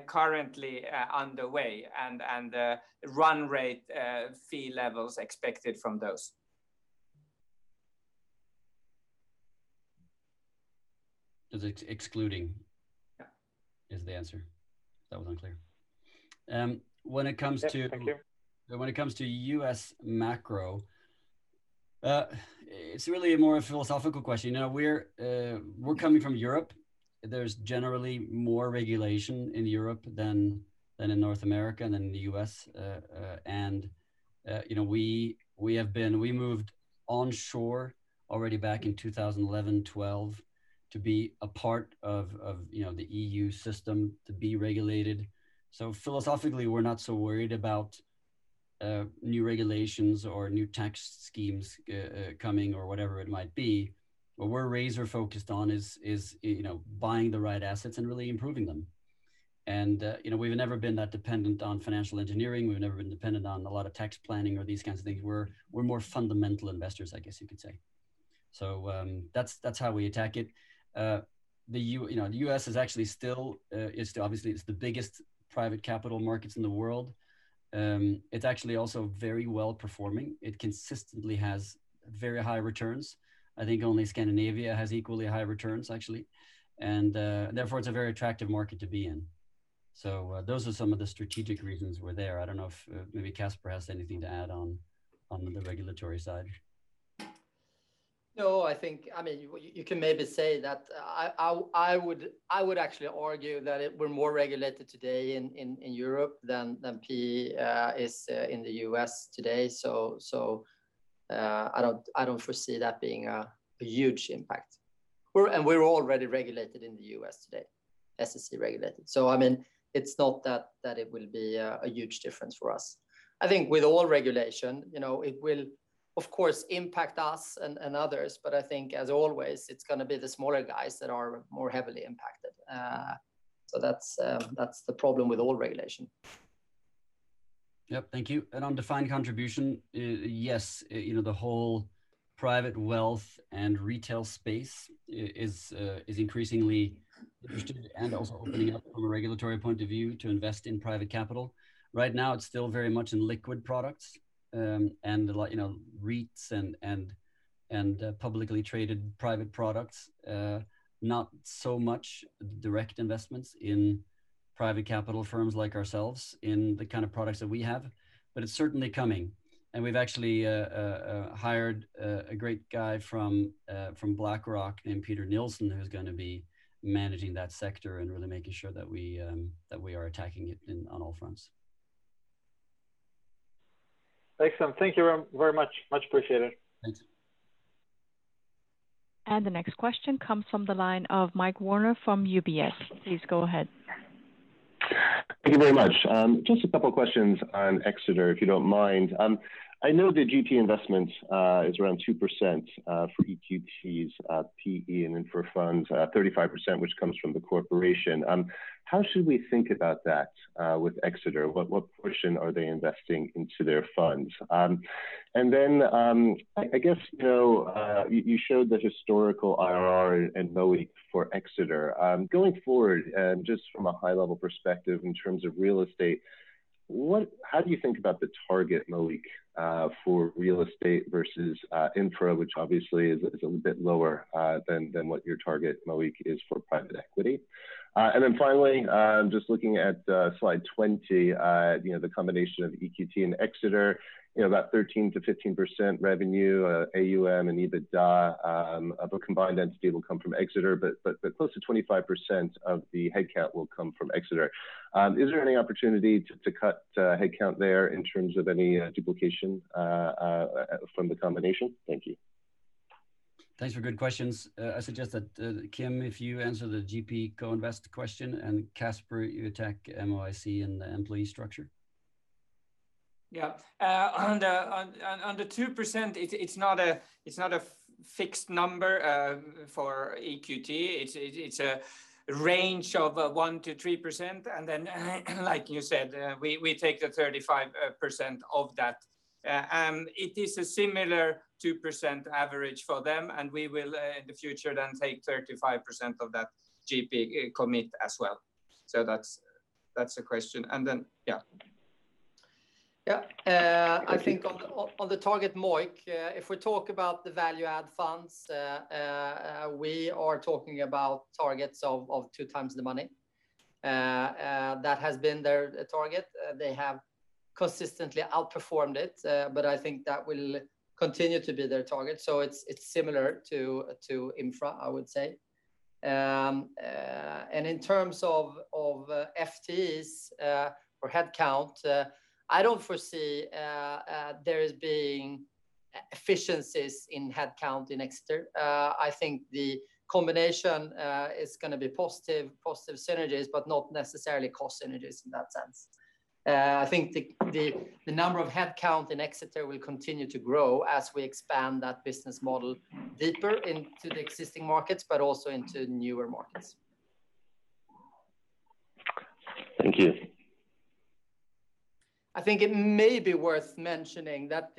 currently underway and the run rate fee levels expected from those. It's. Yeah is the answer. That was unclear. Yes, thank you. When it comes to U.S. macro, it's really more of a philosophical question. We're coming from Europe. There's generally more regulation in Europe than in North America and in the U.S. We moved onshore already back in 2011, 2012, to be a part of the EU system, to be regulated. Philosophically, we're not so worried about new regulations or new tax schemes coming or whatever it might be. What we're razor focused on is buying the right assets and really improving them. We've never been that dependent on financial engineering, we've never been dependent on a lot of tax planning or these kinds of things. We're more fundamental investors, I guess you could say. That's how we attack it. The U.S. is obviously the biggest private capital markets in the world. It's actually also very well-performing. It consistently has very high returns. I think only Scandinavia has equally high returns, actually. Therefore, it's a very attractive market to be in. Those are some of the strategic reasons we're there. I don't know if maybe Casper has anything to add on the regulatory side. I would actually argue that we're more regulated today in Europe than PE is in the U.S. today, so I don't foresee that being a huge impact. We're already regulated in the U.S. today, SEC regulated. It's not that it will be a huge difference for us. I think with all regulation, it will of course impact us and others, but I think as always, it's going to be the smaller guys that are more heavily impacted. That's the problem with all regulation. Yep. Thank you. On Defined Contribution, yes, the whole private wealth and retail space is increasingly interesting and also opening up from a regulatory point of view to invest in private capital. Right now it's still very much in liquid products, and REITs and publicly traded private products. Not so much direct investments in private capital firms like ourselves in the kind of products that we have, but it's certainly coming. We've actually hired a great guy from BlackRock named Peter Nielsen, who's going to be managing that sector and really making sure that we are attacking it on all fronts. Excellent. Thank you very much. Much appreciated The next question comes from the line of Mike Werner from UBS, please go ahead. Thank you very much. Just a couple questions on Exeter, if you don't mind. I know the GP investment is around 2% for EQT's, PE and infra funds, 35% which comes from the corporation. How should we think about that with Exeter? What portion are they investing into their funds? I guess you showed the historical IRR and MOIC for Exeter. Going forward and just from a high level perspective in terms of real estate, how do you think about the target MOIC for real estate versus infra, which obviously is a little bit lower than what your target MOIC is for private equity? Finally, just looking at slide 20, the combination of EQT and Exeter about 13%-15% revenue, AUM and EBITDA of a combined entity will come from Exeter, but close to 25% of the headcount will come from Exeter. Is there any opportunity to cut headcount there in terms of any duplication from the combination? Thank you. Thanks for good questions. I suggest that Kim, if you answer the GP co-invest question, and Casper, you attack MOIC and the employee structure. Yeah. On the 2%, it's not a fixed number for EQT. It's a range of 1%-3%. Like you said, we take the 35% of that. It is a similar 2% average for them, and we will in the future then take 35% of that GP commit as well. That's the question. Yeah. I think on the target MOIC if we talk about the value add funds, we are talking about targets of two times the money. That has been their target. They have consistently outperformed it, but I think that will continue to be their target. It's similar to infra, I would say. In terms of FTEs or headcount, I don't foresee there as being efficiencies in headcount in Exeter. I think the combination is going to be positive synergies but not necessarily cost synergies in that sense. I think the number of headcount in Exeter will continue to grow as we expand that business model deeper into the existing markets, but also into newer markets. Thank you. I think it may be worth mentioning that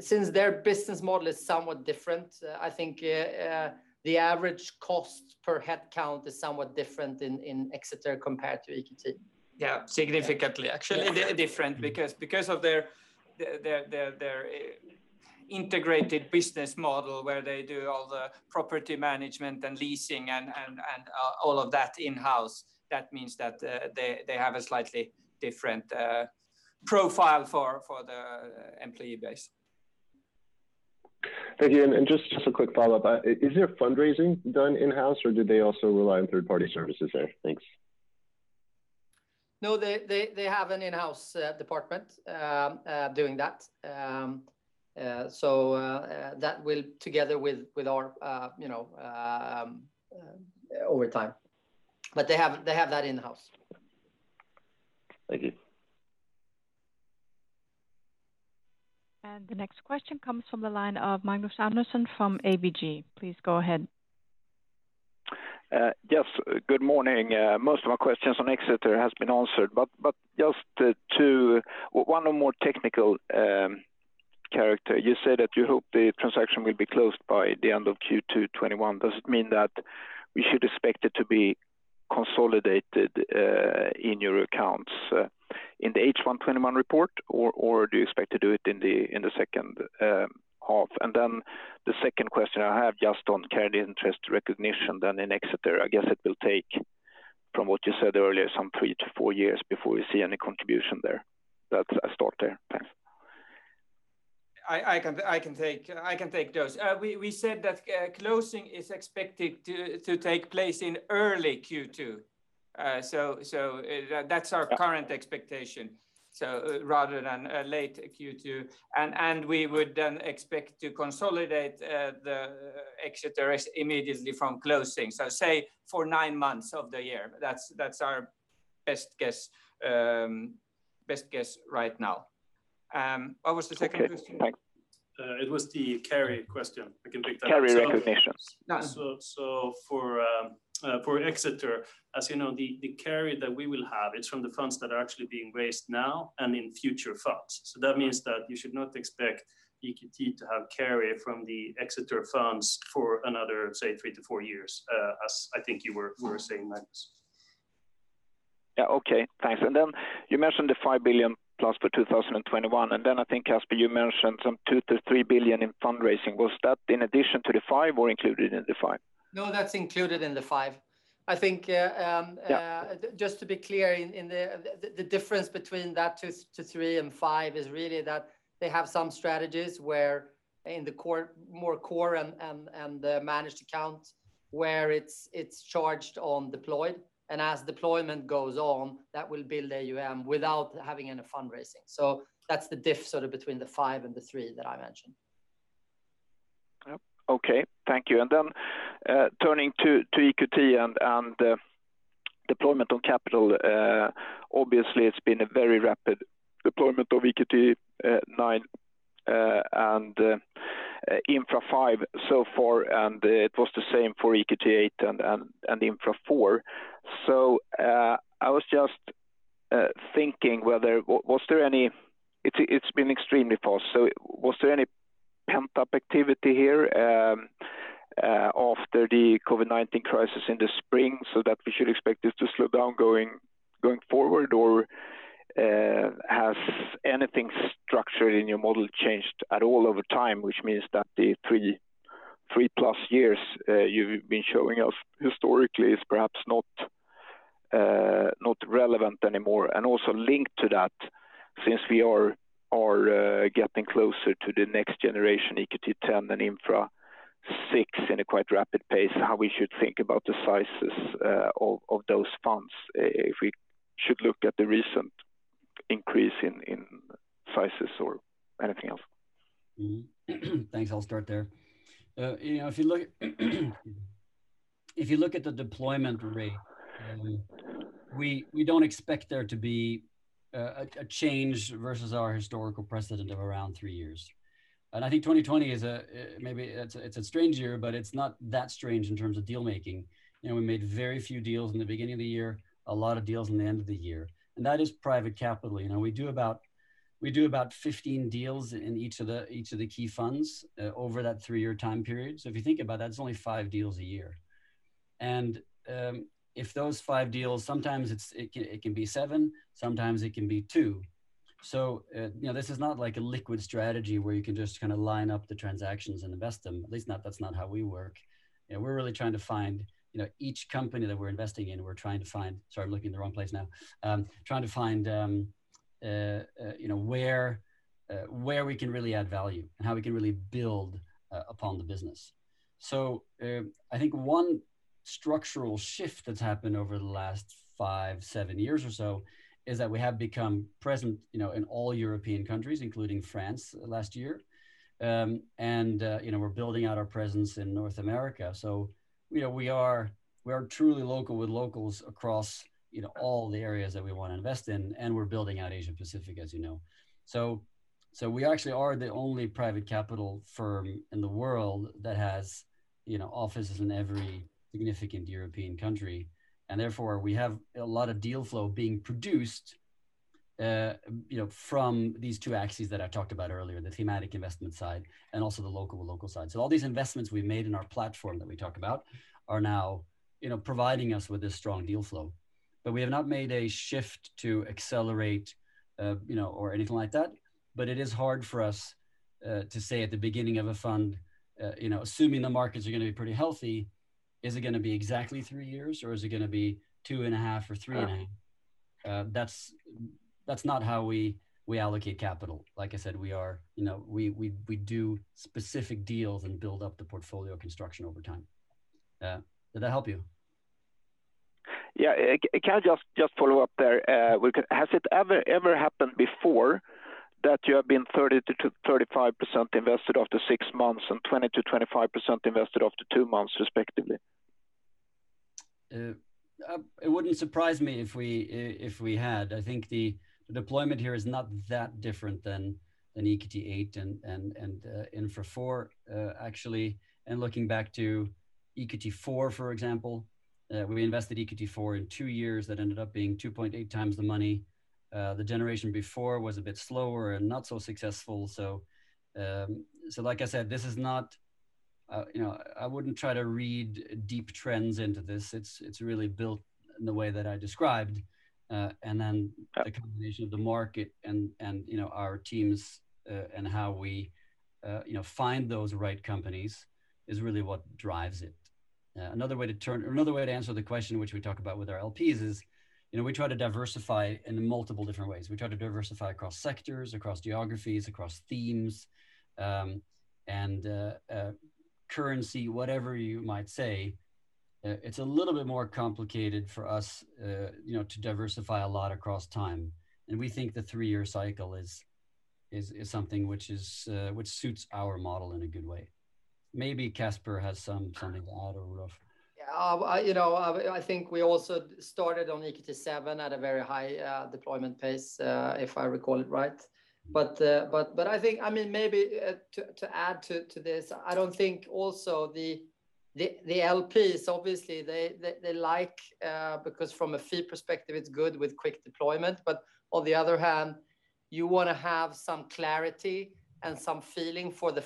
since their business model is somewhat different, I think the average cost per headcount is somewhat different in Exeter compared to EQT. Yeah, significantly actually different because of their integrated business model where they do all the property management and leasing and all of that in-house. That means that they have a slightly different profile for the employee base. Thank you. Just a quick follow-up. Is there fundraising done in-house or do they also rely on third-party services there? Thanks. No, they have an in-house department doing that. That will together with our over time. They have that in-house. Thank you. The next question comes from the line of Magnus Andersson from ABG, please go ahead. Yes, good morning? Most of my questions on Exeter has been answered, just one or more technical character. You say that you hope the transaction will be closed by the end of Q2 2021. Does it mean that we should expect it to be consolidated in your accounts in the H1 2021 report, or do you expect to do it in the second half? The second question I have just on carried interest recognition then in Exeter, I guess it will take, from what you said earlier, some three to four years before we see any contribution there. That's a start there. Thanks. I can take those. We said that closing is expected to take place in early Q2. That's our current expectation. Rather than a late Q2, and we would then expect to consolidate the Exeter immediately from closing. Say for nine months of the year. That's our best guess right now. What was the second question? It was the carry question. I can pick that up. Carry recognitions. For Exeter, as you know, the carry that we will have, it's from the funds that are actually being raised now and in future funds. That means that you should not expect EQT to have carry from the Exeter funds for another, say, three to four years, as I think you were saying, Magnus. Yeah. Okay. Thanks. You mentioned the $5 billion-plus for 2021, and then I think Casper, you mentioned some $2 billion to $3 billion in fundraising. Was that in addition to the $5 billion or included in the $5 billion? No, that's included in the five. I think just to be clear, the difference between that $2 billion to $3 billion and $5 billion is really that they have some strategies where in the more core and the managed account where it's charged on deployed and as deployment goes on, that will build AUM without having any fundraising. That's the diff sort of between the $5 billion and the $3 billion that I mentioned. Yep. Okay. Thank you. Turning to EQT and deployment of capital. Obviously it's been a very rapid deployment of EQT Nine and Infra V so far, and it was the same for EQT VIII and Infra IV. I was just thinking whether it's been extremely fast, so was there any pent-up activity here after the COVID-19 crisis in the spring so that we should expect this to slow down going forward? Has anything structured in your model changed at all over time, which means that the 3+ years you've been showing us historically is perhaps not relevant anymore? Also linked to that since we are getting closer to the next generation EQT X and Infra VI in a quite rapid pace, how we should think about the sizes of those funds if we should look at the recent increase in sizes or anything else? Thanks. I'll start there. If you look at the deployment rate, we don't expect there to be a change versus our historical precedent of around three years. I think 2020 maybe it's a strange year, but it's not that strange in terms of deal making. We made very few deals in the beginning of the year, a lot of deals in the end of the year, and that is private capital. We do about 15 deals in each of the key funds over that three-year time period. If you think about that, it's only five deals a year. If those five deals, sometimes it can be seven, sometimes it can be two. This is not like a liquid strategy where you can just kind of line up the transactions and invest them. At least that's not how we work. We're really trying to find each company that we're investing in. Trying to find where we can really add value and how we can really build upon the business. I think one structural shift that's happened over the last five years, seven years or so is that we have become present in all European countries, including France last year. We're building out our presence in North America. We are truly local with locals across all the areas that we want to invest in, and we're building out Asia Pacific, as you know. We actually are the only private capital firm in the world that has offices in every significant European country, and therefore we have a lot of deal flow being produced from these two axes that I talked about earlier, the thematic investment side and also the local side. All these investments we've made in our platform that we talked about are now providing us with this strong deal flow. We have not made a shift to accelerate or anything like that. It is hard for us to say at the beginning of a fund, assuming the markets are going to be pretty healthy, is it going to be exactly three years, or is it going to be two and a half years or three and a half years? That's not how we allocate capital. Like I said, we do specific deals and build up the portfolio construction over time. Did that help you? Yeah. Can I just follow up there? Has it ever happened before that you have been 30%-35% invested after six months and 20%-25% invested after two months, respectively? It wouldn't surprise me if we had. I think the deployment here is not that different than in EQT VIII and Infra IV, actually. Looking back to EQT IV, for example, we invested EQT IV in two years. That ended up being 2.8x the money. The generation before was a bit slower and not so successful. Like I said, I wouldn't try to read deep trends into this. It's really built in the way that I described. The combination of the market and our teams and how we find those right companies is really what drives it. Another way to answer the question, which we talk about with our LPs is, we try to diversify in multiple different ways. We try to diversify across sectors, across geographies, across themes, and currency, whatever you might say. It's a little bit more complicated for us to diversify a lot across time. We think the three-year cycle is something which suits our model in a good way. Maybe Casper has some comment to add. Yeah. I think we also started on EQT VII at a very high deployment pace, if I recall it right. I think, maybe to add to this, I don't think also the LPs, obviously they like, because from a fee perspective, it's good with quick deployment. On the other hand, you want to have some clarity and some feeling for the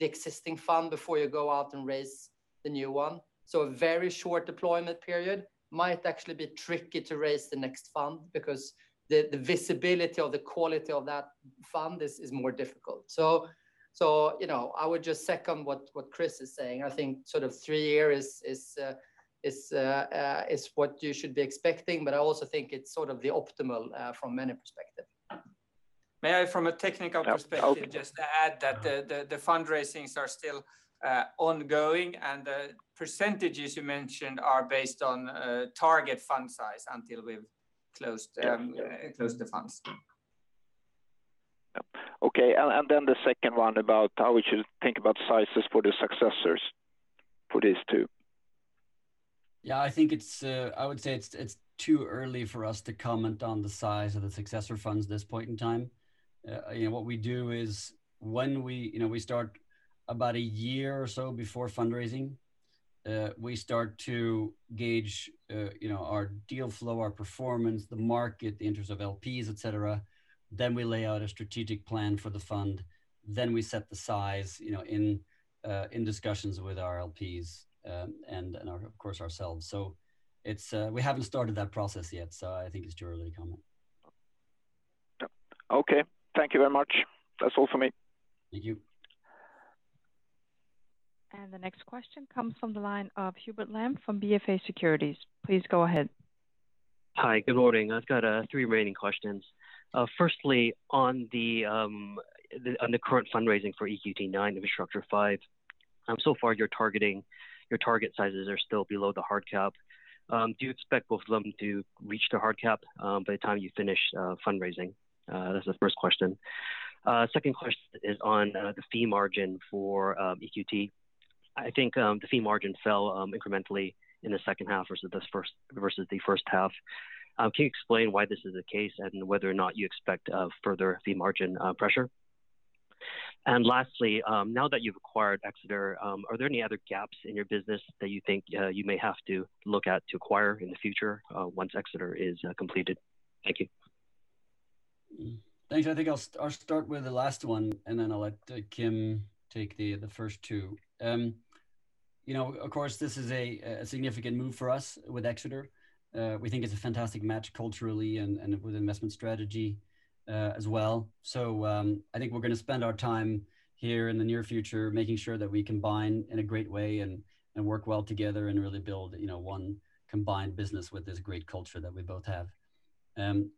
existing fund before you go out and raise the new one. A very short deployment period might actually be tricky to raise the next fund because the visibility of the quality of that fund is more difficult. I would just second what Chris is saying. I think three years is what you should be expecting, but I also think it's sort of the optimal from many perspective. Yeah. Okay. just add that the fundraisings are still ongoing and the percentages you mentioned are based on target fund size until we've closed the funds. Yep. Okay, the second one about how we should think about sizes for the successors for these two? Yeah, I would say it's too early for us to comment on the size of the successor funds at this point in time. What we do is we start about a year or so before fundraising. We start to gauge our deal flow, our performance, the market, the interest of LPs, et cetera. We lay out a strategic plan for the fund. We set the size in discussions with our LPs, and of course, ourselves. We haven't started that process yet, so I think it's too early to comment. Yep. Okay. Thank you very much. That's all for me. Thank you. The next question comes from the line of Hubert Lam from BofA Securities, please go ahead. Hi, good morning? I've got three remaining questions. Firstly, on the current fundraising for EQT IX Infrastructure V. So far, your target sizes are still below the hard cap. Do you expect both of them to reach their hard cap by the time you finish fundraising? That's the first question. Second question is on the fee margin for EQT. I think the fee margin fell incrementally in the second half versus the first half. Can you explain why this is the case and whether or not you expect further fee margin pressure? Lastly, now that you've acquired Exeter, are there any other gaps in your business that you think you may have to look at to acquire in the future once Exeter is completed? Thank you. Thanks. I think I'll start with the last one, and then I'll let Kim take the first two. Of course, this is a significant move for us with Exeter. We think it's a fantastic match culturally and with investment strategy as well. I think we're going to spend our time here in the near future making sure that we combine in a great way and work well together and really build one combined business with this great culture that we both have.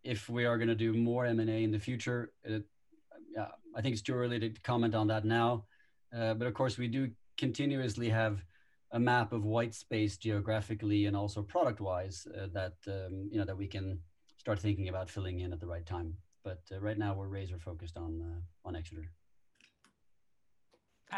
If we are going to do more M&A in the future, I think it's too early to comment on that now. Of course, we do continuously have a map of white space geographically and also product wise that we can start thinking about filling in at the right time. Right now we're razor focused on Exeter.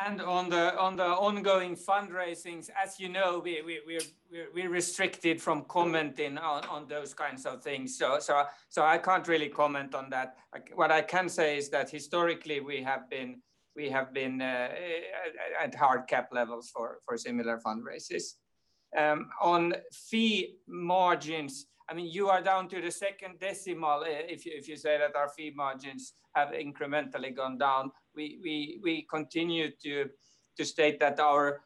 On the ongoing fundraisings, as you know, we're restricted from commenting on those kinds of things. I can't really comment on that. What I can say is that historically we have been at hard cap levels for similar fundraises. On fee margins, you are down to the second decimal if you say that our fee margins have incrementally gone down. We continue to state that our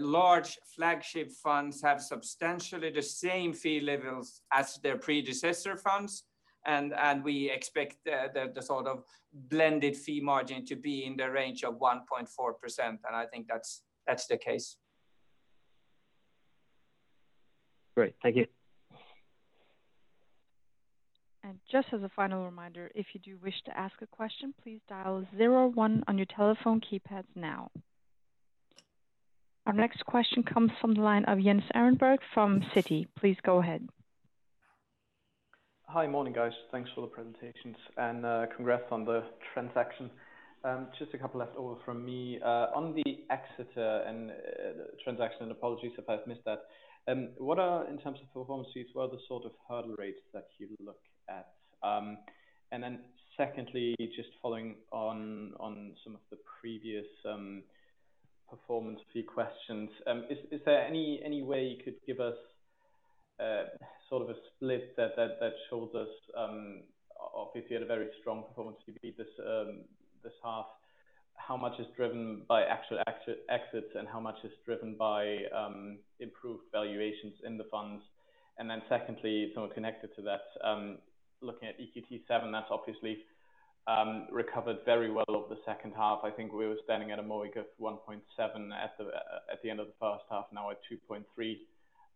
large flagship funds have substantially the same fee levels as their predecessor funds. We expect the blended fee margin to be in the range of 1.4%, and I think that's the case. Great. Thank you. Just as a final reminder, if you do wish to ask a question, please dial zero one on your telephone keypads now. Our next question comes from the line of Jens Ehrenberg from Citi, please go ahead. Hi, morning guys? Thanks for the presentations and congrats on the transaction. Just a couple left over from me. On the Exeter transaction, and apologies if I've missed that, what are, in terms of performance fees, what are the sort of hurdle rates that you look at? Secondly, just following on some of the previous performance fee questions, is there any way you could give us a split that shows us, obviously you had a very strong performance fee this half, how much is driven by actual exits and how much is driven by improved valuations in the funds? Secondly, somewhat connected to that, looking at EQT VII, that's obviously recovered very well over the second half. I think we were standing at a MOIC of 1.7x at the end of the first half, now at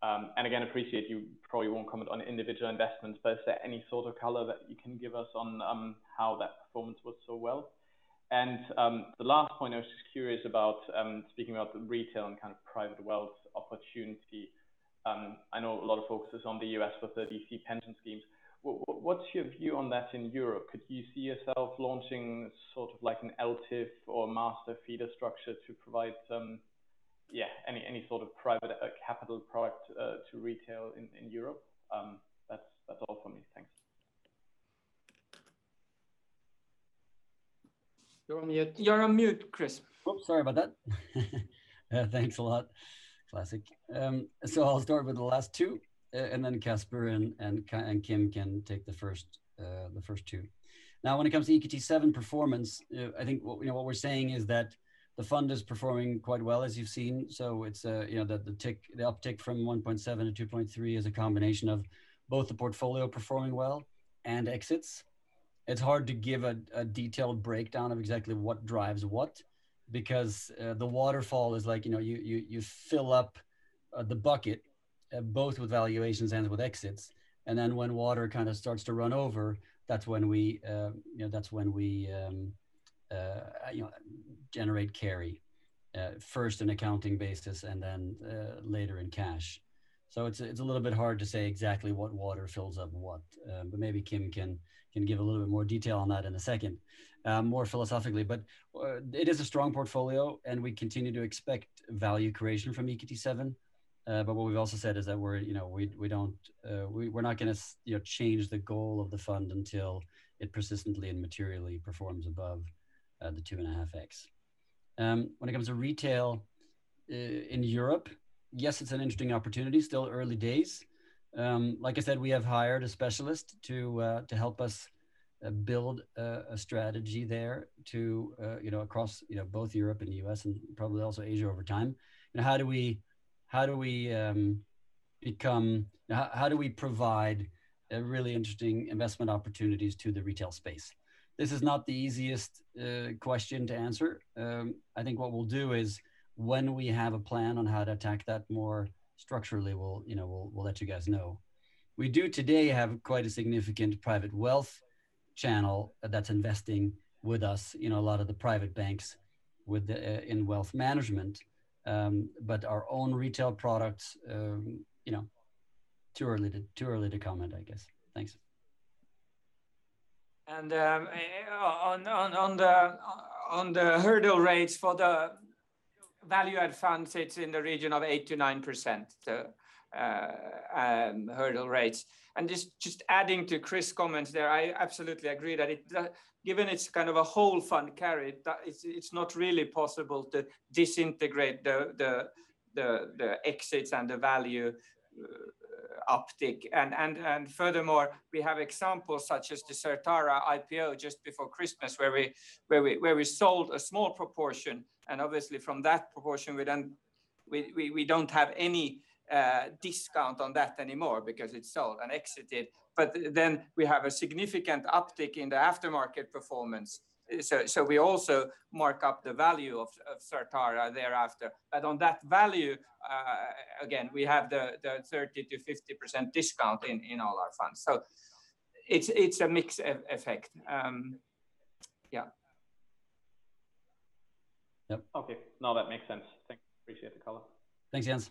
2.3x. Again, appreciate you probably won't comment on individual investments, but is there any sort of color that you can give us on how that performance was so well? The last point, I was just curious about, speaking about the retail and kind of private wealth opportunity. I know a lot of focus is on the U.S. for DC pension schemes. What's your view on that in Europe? Could you see yourself launching sort of like an ELTIF or master feeder structure to provide any sort of private capital product to retail in Europe? That's all from me. Thanks. You're on mute. You're on mute, Chris Oops. Sorry about that. Thanks a lot. Classic. I'll start with the last two, and then Casper and Kim can take the first two. Now, when it comes to EQT VII performance, I think what we're saying is that the fund is performing quite well, as you've seen. The uptick from 1.7x to 2.3x is a combination of both the portfolio performing well and exits. It's hard to give a detailed breakdown of exactly what drives what, because the waterfall is like you fill up the bucket both with valuations and with exits, and then when water kind of starts to run over, that's when we generate carry. First in accounting basis and then later in cash. It's a little bit hard to say exactly what water fills up what, but maybe Kim can give a little bit more detail on that in a second, more philosophically. It is a strong portfolio and we continue to expect value creation from EQT VII. What we've also said is that we're not going to change the goal of the fund until it persistently and materially performs above the 2.5x. When it comes to retail in Europe, yes, it's an interesting opportunity. Still early days. Like I said, we have hired a specialist to help us build a strategy there to across both Europe and the U.S., and probably also Asia over time, and how do we provide really interesting investment opportunities to the retail space? This is not the easiest question to answer. I think what we'll do is when we have a plan on how to attack that more structurally, we'll let you guys know. We do today have quite a significant private wealth channel that's investing with us in a lot of the private banks in wealth management. Our own retail products, too early to comment, I guess. Thanks. On the hurdle rates for the value add funds, it's in the region of 8%-9%, the hurdle rates. Just adding to Chris' comments there, I absolutely agree that given it's kind of a whole fund carry, it's not really possible to disintegrate the exits and the value uptick. Furthermore, we have examples such as the Certara IPO just before Christmas, where we sold a small proportion, and obviously from that proportion, we don't have any discount on that anymore because it's sold and exited. We have a significant uptick in the aftermarket performance. We also mark up the value of Certara thereafter. On that value, again, we have the 30%-50% discount in all our funds. It's a mixed effect. Yeah. Yep. Okay. No, that makes sense. Thanks. Appreciate the color. Thanks, Jens.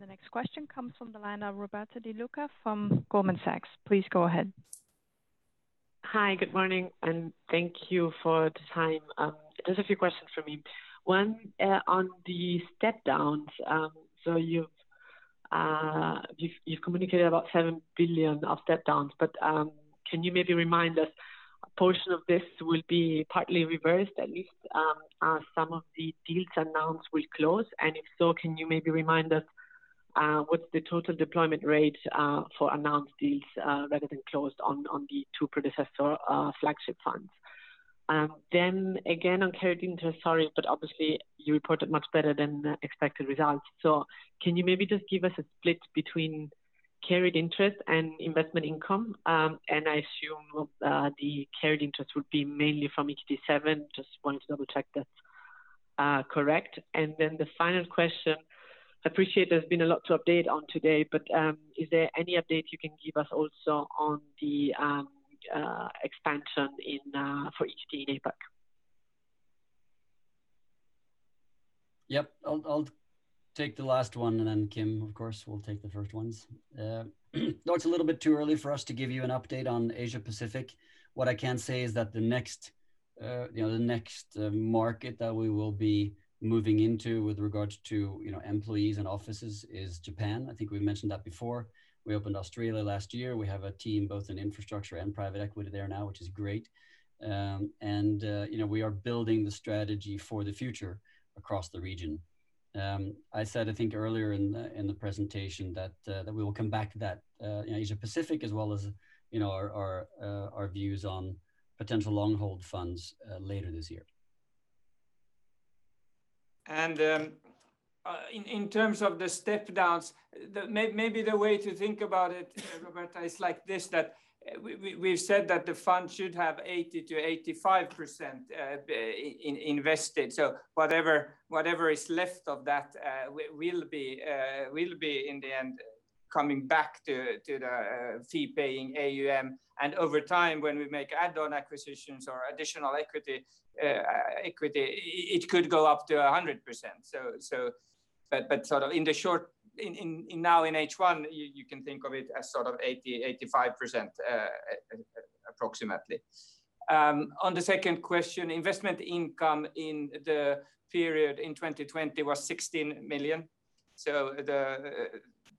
The next question comes from the line of Roberta De Luca from Goldman Sachs, please go ahead. Hi. Good morning, and thank you for the time. Just a few questions from me. One on the step downs. You've communicated about 7 billion of step downs, but can you maybe remind us a portion of this will be partly reversed, at least some of the deals announced will close? If so, can you maybe remind us with the total deployment rate for announced deals rather than closed on the two predecessor flagship funds? Again, on carried interest, sorry, but obviously you reported much better than expected results. Can you maybe just give us a split between carried interest and investment income? I assume the carried interest would be mainly from EQT VII, just wanted to double check that's correct? The final question. Appreciate there's been a lot to update on today, but is there any update you can give us also on the expansion for EQT in APAC? Yep. I'll take the last one, then Kim, of course, will take the first ones. No, it's a little bit too early for us to give you an update on Asia Pacific. What I can say is that the next market that we will be moving into with regards to employees and offices is Japan. I think we mentioned that before. We opened Australia last year. We have a team both in infrastructure and private equity there now, which is great. We are building the strategy for the future across the region. I said, I think earlier in the presentation, that we will come back to that in Asia Pacific as well as our views on potential long-hold funds later this year. In terms of the step downs, maybe the way to think about it, Roberta, is like this, that we've said that the fund should have 80%-85% invested. Whatever is left of that will be, in the end, coming back to the fee-paying AUM. Over time, when we make add-on acquisitions or additional equity, it could go up to 100%. Sort of in the short, now in H1, you can think of it as sort of 80%, 85% approximately. On the second question, investment income in the period in 2020 was 16 million.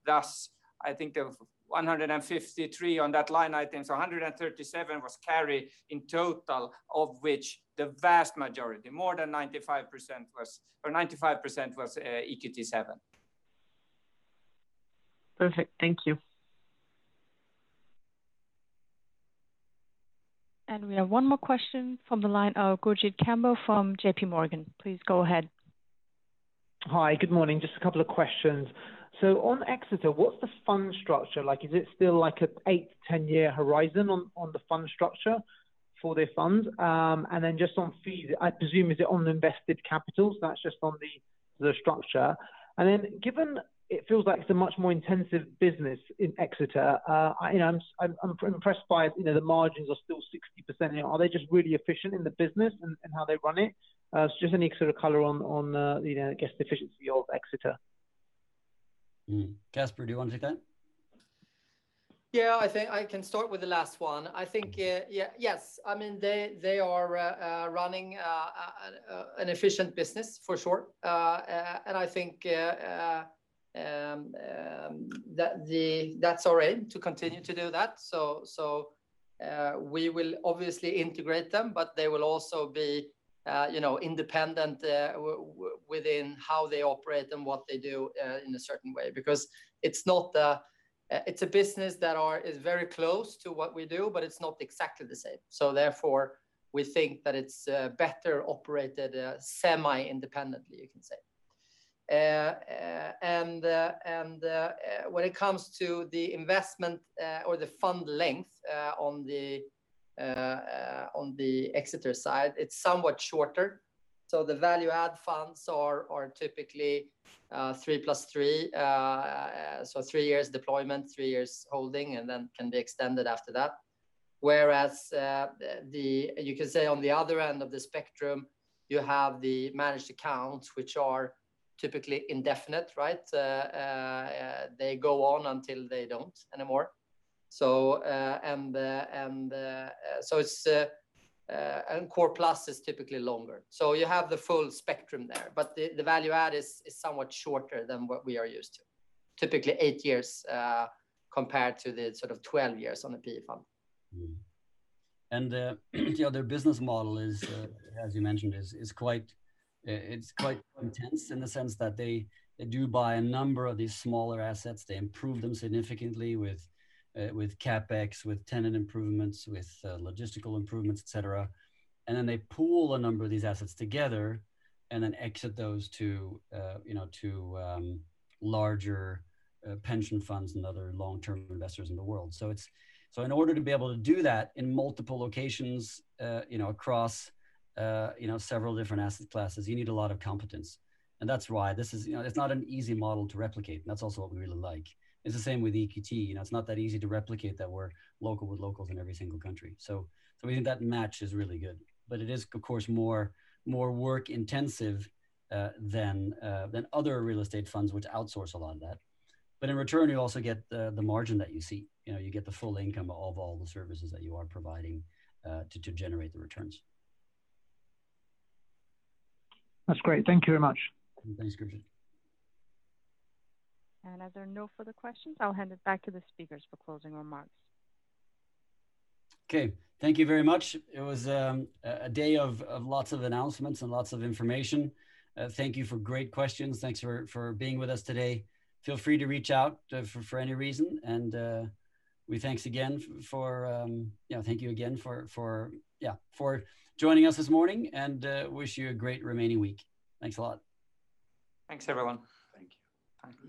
Thus, I think of 153 on that line item, so 137 was carry in total, of which the vast majority, more than 95% was EQT VII. Perfect. Thank you. We have one more question from the line of Gurjit Kambo from JPMorgan, please go ahead. Hi. Good morning? Just a couple of questions. On Exeter, what's the fund structure like? Is it still like an 8year-10-year horizon on the fund structure for their funds? Just on fees, I presume, is it on invested capital? That's just on the structure. Given it feels like it's a much more intensive business in Exeter, I'm impressed by the margins are still 60%. Are they just really efficient in the business in how they run it? Just any sort of color on, I guess, the efficiency of Exeter, Mm-hmm. Casper, do you want to take that? Yeah, I think I can start with the last one. I think, yes. They are running an efficient business, for sure. I think that's our aim, to continue to do that. We will obviously integrate them, but they will also be independent within how they operate and what they do in a certain way. Because it's a business that is very close to what we do, but it's not exactly the same. Therefore, we think that it's better operated semi-independently, you can say. When it comes to the investment or the fund length on the Exeter side, it's somewhat shorter. The value add funds are typically three plus three. Three years deployment, three years holding, and then can be extended after that. Whereas you can say on the other end of the spectrum, you have the managed accounts, which are typically indefinite, right? They go on until they don't anymore. Core Plus is typically longer. You have the full spectrum there. The value add is somewhat shorter than what we are used to. Typically eight years compared to the sort of 12 years on a PE fund. Their business model is, as you mentioned, it's quite intense in the sense that they do buy a number of these smaller assets. They improve them significantly with CapEx, with tenant improvements, with logistical improvements, et cetera. Then they pool a number of these assets together and then exit those to larger pension funds and other long-term investors in the world. In order to be able to do that in multiple locations across several different asset classes, you need a lot of competence. That's why this is not an easy model to replicate, and that's also what we really like. It's the same with EQT. It's not that easy to replicate that we're local with locals in every single country. We think that match is really good. It is, of course, more work intensive than other real estate funds which outsource a lot of that. In return, you also get the margin that you see. You get the full income of all the services that you are providing to generate the returns. That's great. Thank you very much. Thanks, Gurjit. As there are no further questions, I'll hand it back to the speakers for closing remarks. Okay. Thank you very much. It was a day of lots of announcements and lots of information. Thank you for great questions. Thanks for being with us today. Feel free to reach out for any reason. We thank you again for joining us this morning, and wish you a great remaining week. Thanks a lot. Thanks, everyone. Thank you.